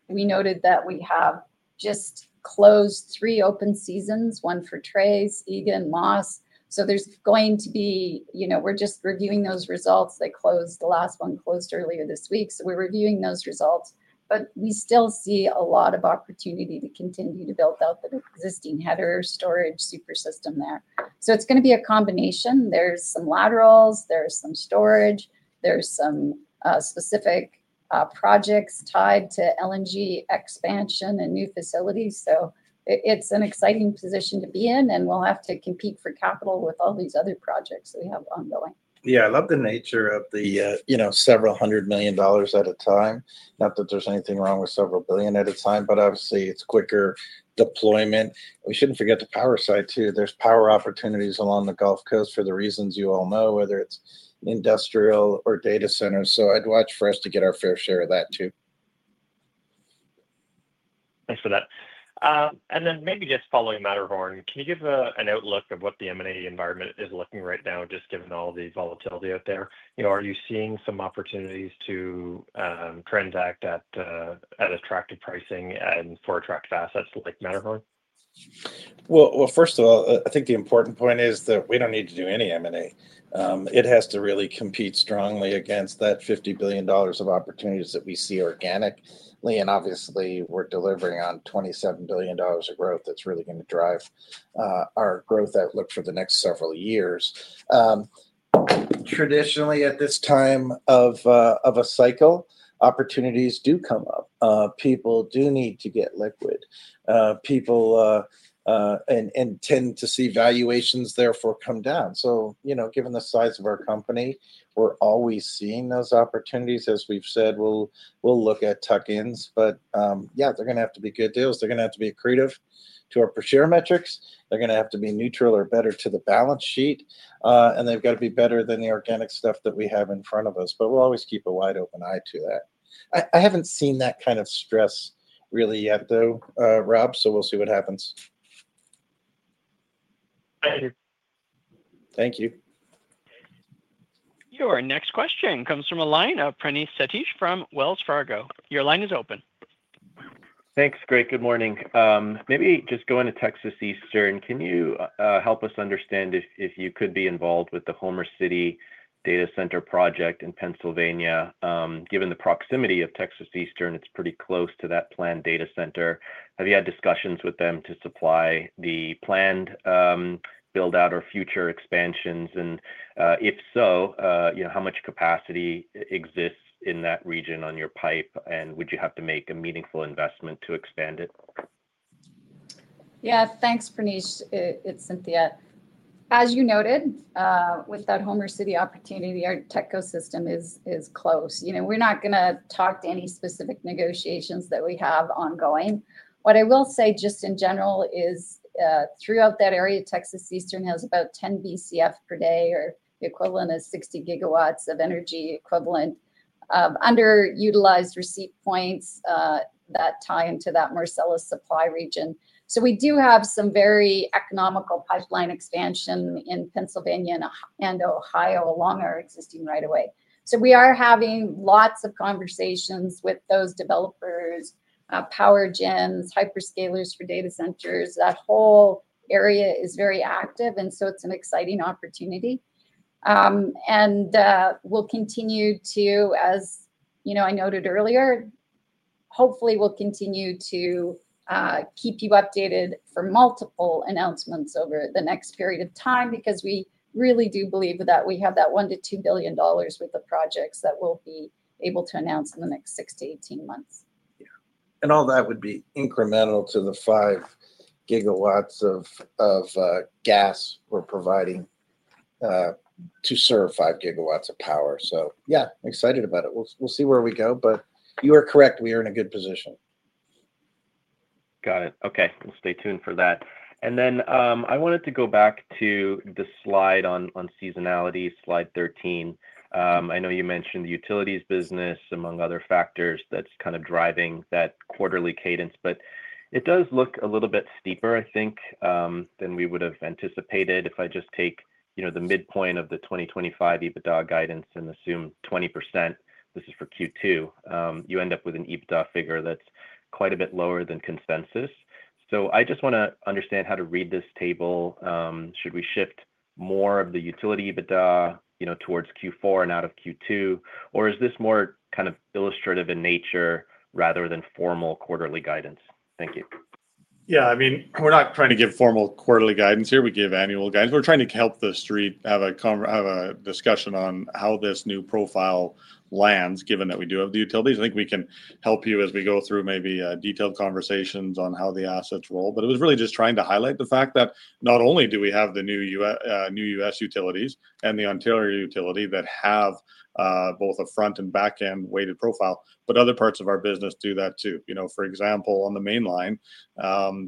G: we noted that we have just closed three open seasons, one for TRACE, Egan, Moss. There's going to be, you know, we're just reviewing those results. They closed, the last one closed earlier this week. We're reviewing those results. We still see a lot of opportunity to continue to build out the existing header storage super system there. It's going to be a combination. There's some laterals, there's some storage, there's some specific projects tied to LNG expansion and new facilities. It's an exciting position to be in, and we'll have to compete for capital with all these other projects that we have ongoing.
B: Yeah, I love the nature of the, you know, several hundred million dollars at a time. Not that there's anything wrong with several billion at a time, but obviously it's quicker deployment. We shouldn't forget the power side too. There's power opportunities along the Gulf Coast for the reasons you all know, whether it's industrial or data centers. I'd watch for us to get our fair share of that too.
M: Thanks for that. Maybe just following Matterhorn, can you give an outlook of what the M&A environment is looking right now, just given all the volatility out there? You know, are you seeing some opportunities to transact at attractive pricing and for attractive assets like Matterhorn?
B: First of all, I think the important point is that we don't need to do any M&A. It has to really compete strongly against that 50 billion dollars of opportunities that we see organically. Obviously, we're delivering on 27 billion dollars of growth that's really going to drive our growth outlook for the next several years. Traditionally, at this time of a cycle, opportunities do come up. People do need to get liquid. People intend to see valuations therefore come down. You know, given the size of our company, we're always seeing those opportunities. As we've said, we'll look at tuck-ins. Yeah, they're going to have to be good deals. They're going to have to be accretive to our per-share metrics. They're going to have to be neutral or better to the balance sheet. They've got to be better than the organic stuff that we have in front of us. We'll always keep a wide open eye to that. I haven't seen that kind of stress really yet, though, Rob. We'll see what happens.
M: Thank you.
B: Thank you.
A: Your next question comes from a line of Praneeth Satish from Wells Fargo. Your line is open.
N: Thanks, Greg. Good morning. Maybe just going to Texas Eastern, can you help us understand if you could be involved with the Homer City data center project in Pennsylvania? Given the proximity of Texas Eastern, it's pretty close to that planned data center. Have you had discussions with them to supply the planned build-out or future expansions? If so, you know, how much capacity exists in that region on your pipe? Would you have to make a meaningful investment to expand it?
G: Yeah, thanks, Praneeth. It's Cynthia. As you noted, with that Homer City opportunity, our TECO system is close. You know, we're not going to talk to any specific negotiations that we have ongoing. What I will say just in general is throughout that area, Texas Eastern has about 10 BCF/d or the equivalent of 60 GW of energy equivalent of underutilized receipt points that tie into that Marcellus supply region. We do have some very economical pipeline expansion in Pennsylvania and Ohio along our existing right-of-way. We are having lots of conversations with those developers, power gens, hyperscalers for data centers. That whole area is very active. It is an exciting opportunity. We will continue to, as you know, I noted earlier, hopefully we will continue to keep you updated for multiple announcements over the next period of time because we really do believe that we have that 1 billion-2 billion dollars worth of projects that we will be able to announce in the next 6-18 months. Yeah.
B: All that would be incremental to the 5 GW of gas we're providing to serve 5 GW of power. Yeah, excited about it. We'll see where we go. You are correct. We are in a good position.
N: Got it. Okay. We'll stay tuned for that. I wanted to go back to the slide on seasonality, slide 13. I know you mentioned the utilities business, among other factors, that's kind of driving that quarterly cadence. It does look a little bit steeper, I think, than we would have anticipated. If I just take the midpoint of the 2025 EBITDA guidance and assume 20%—this is for Q2—you end up with an EBITDA figure that's quite a bit lower than consensus. I just want to understand how to read this table. Should we shift more of the utility EBITDA, you know, towards Q4 and out of Q2? Or is this more kind of illustrative in nature rather than formal quarterly guidance? Thank you.
C: Yeah, I mean, we're not trying to give formal quarterly guidance here. We give annual guidance. We're trying to help the street have a discussion on how this new profile lands, given that we do have the utilities. I think we can help you as we go through maybe detailed conversations on how the assets roll. But it was really just trying to highlight the fact that not only do we have the new U.S. utilities and the Ontario utility that have both a front and back-end weighted profile, but other parts of our business do that too. You know, for example, on the Mainline,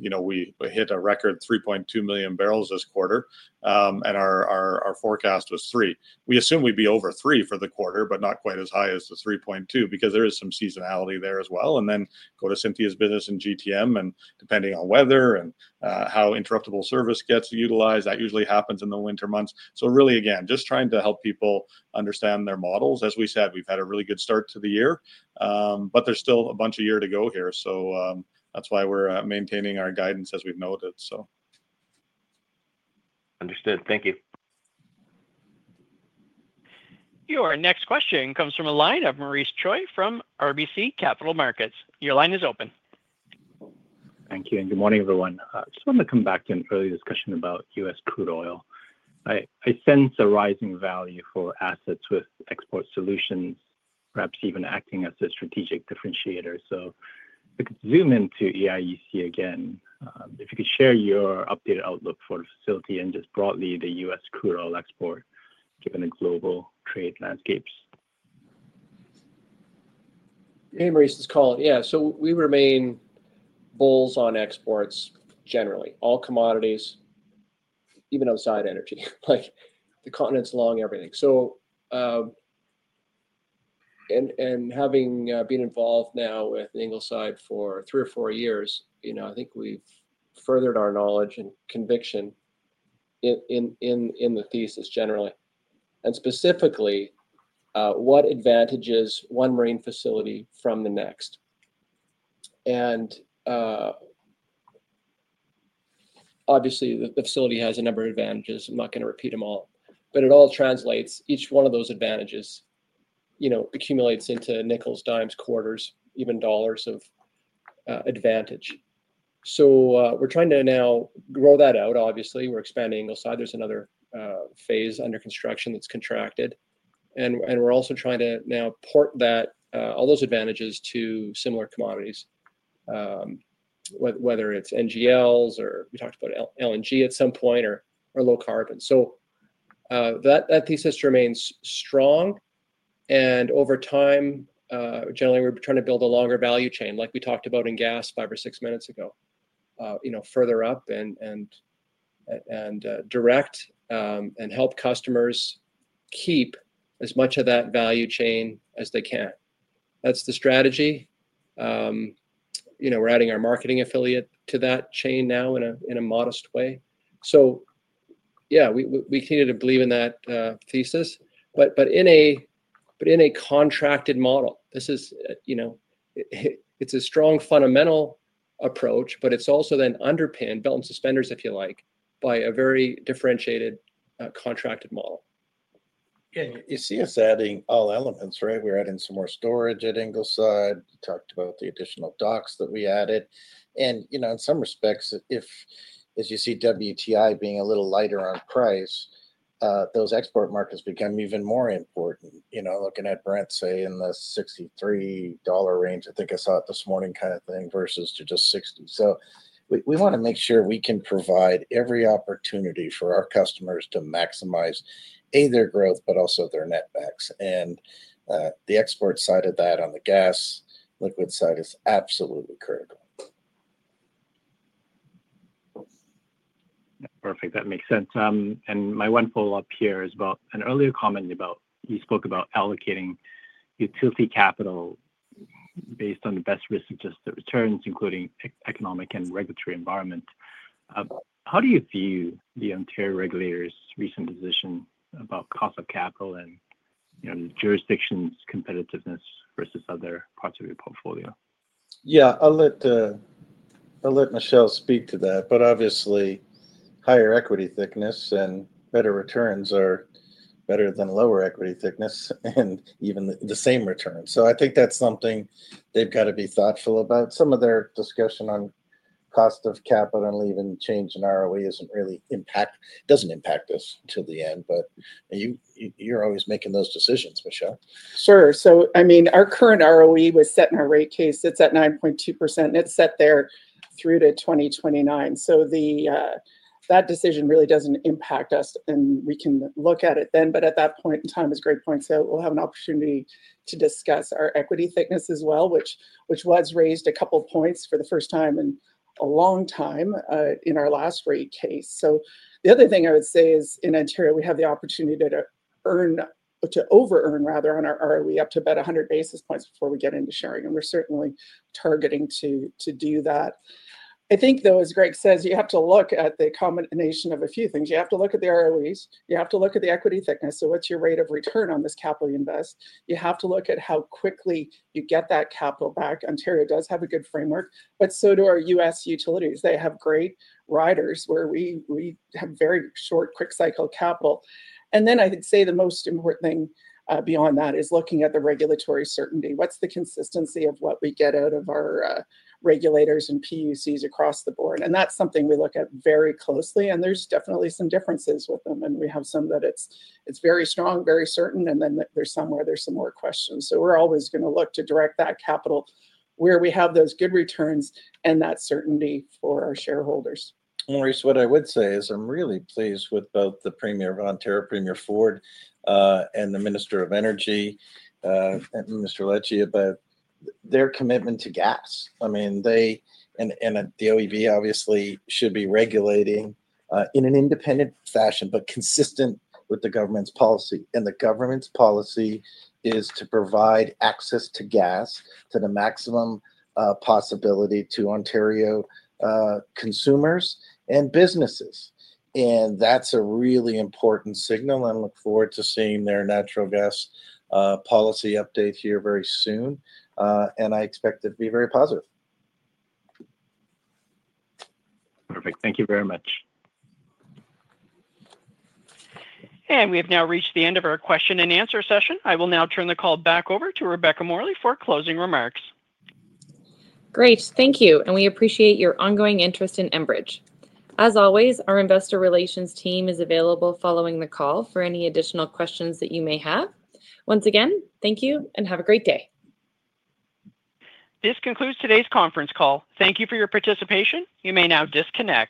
C: you know, we hit a record 3.2 million barrels this quarter. Our forecast was three. We assume we'd be over three for the quarter, but not quite as high as the 3.2 because there is some seasonality there as well. Go to Cynthia's business in GTM. Depending on weather and how interruptible service gets utilized, that usually happens in the winter months. Really, again, just trying to help people understand their models. As we said, we've had a really good start to the year. There's still a bunch of year to go here. That's why we're maintaining our guidance as we've noted.
N: Understood. Thank you.
A: Your next question comes from a line of Maurice Choy from RBC Capital Markets. Your line is open.
O: Thank you. Good morning, everyone. I just want to come back to an earlier discussion about U.S. crude oil. I sense a rising value for assets with export solutions, perhaps even acting as a strategic differentiator. If we could zoom into EIEC again, if you could share your updated outlook for the facility and just broadly the U.S. crude oil export given the global trade landscapes.
E: Hey, Maurice, it's Colin. Yeah, we remain bulls on exports generally, all commodities, even outside energy. Like the continent's long everything. Having been involved now with Ingleside for three or four years, you know, I think we've furthered our knowledge and conviction in the thesis generally. Specifically, what advantages one marine facility from the next? Obviously, the facility has a number of advantages. I'm not going to repeat them all. It all translates. Each one of those advantages, you know, accumulates into nickels, dimes, quarters, even dollars of advantage. We're trying to now grow that out, obviously. We're expanding Ingleside. There's another phase under construction that's contracted. We're also trying to now port that, all those advantages to similar commodities, whether it's NGLs or we talked about LNG at some point or low carbon. That thesis remains strong. Over time, generally, we're trying to build a longer value chain, like we talked about in gas five or six minutes ago, you know, further up and direct and help customers keep as much of that value chain as they can. That's the strategy. You know, we're adding our marketing affiliate to that chain now in a modest way. Yeah, we continue to believe in that thesis. In a contracted model, this is, you know, it's a strong fundamental approach, but it's also then underpinned, belt and suspenders, if you like, by a very differentiated contracted model.
B: You see us adding all elements, right? We're adding some more storage at Ingleside. We talked about the additional docks that we added. You know, in some respects, if, as you see WTI being a little lighter on price, those export markets become even more important. You know, looking at Brent, say, in the 63 dollar range, I think I saw it this morning kind of thing, versus just 60. We want to make sure we can provide every opportunity for our customers to maximize a) their growth, but also their net max. The export side of that on the gas liquid side is absolutely critical.
O: Perfect. That makes sense. My one follow-up here is about an earlier comment about you spoke about allocating utility capital based on the best risk-adjusted returns, including economic and regulatory environment. How do you view the Ontario regulators' recent position about cost of capital and, you know, the jurisdiction's competitiveness versus other parts of your portfolio?
B: Yeah, I'll let Michelle speak to that. Obviously, higher equity thickness and better returns are better than lower equity thickness and even the same return. I think that's something they've got to be thoughtful about. Some of their discussion on cost of capital and even change in ROE isn't really impact, doesn't impact us to the end. You're always making those decisions, Michelle.
L: Sure. I mean, our current ROE was set in our rate case. It's at 9.2%, and it's set there through to 2029. That decision really doesn't impact us. We can look at it then. At that point in time, as Greg points out, we'll have an opportunity to discuss our equity thickness as well, which was raised a couple of points for the first time in a long time in our last rate case. The other thing I would say is in Ontario, we have the opportunity to earn, to over-earn rather, on our ROE up to about 100 basis points before we get into sharing. We're certainly targeting to do that. I think, though, as Greg says, you have to look at the combination of a few things. You have to look at the ROEs. You have to look at the equity thickness. What's your rate of return on this capital you invest? You have to look at how quickly you get that capital back. Ontario does have a good framework. Our U.S. utilities have great riders where we have very short, quick-cycle capital. I would say the most important thing beyond that is looking at the regulatory certainty. What's the consistency of what we get out of our regulators and PUCs across the board? That's something we look at very closely. There's definitely some differences with them. We have some that are very strong, very certain, and then there's some where there are more questions. We're always going to look to direct that capital where we have those good returns and that certainty for our shareholders.
B: Maurice, what I would say is I'm really pleased with both the Premier of Ontario, Premier Ford, and the Minister of Energy, Mr. Leche, about their commitment to gas. I mean, they and the OEV obviously should be regulating in an independent fashion, but consistent with the government's policy. The government's policy is to provide access to gas to the maximum possibility to Ontario consumers and businesses. That is a really important signal. I look forward to seeing their natural gas policy update here very soon. I expect it to be very positive.
O: Perfect. Thank you very much.
A: We have now reached the end of our question and answer session. I will now turn the call back over to Rebecca Morley for closing remarks.
P: Great. Thank you. We appreciate your ongoing interest in Enbridge. As always, our investor relations team is available following the call for any additional questions that you may have. Once again, thank you and have a great day. This concludes today's conference call. Thank you for your participation.
A: You may now disconnect.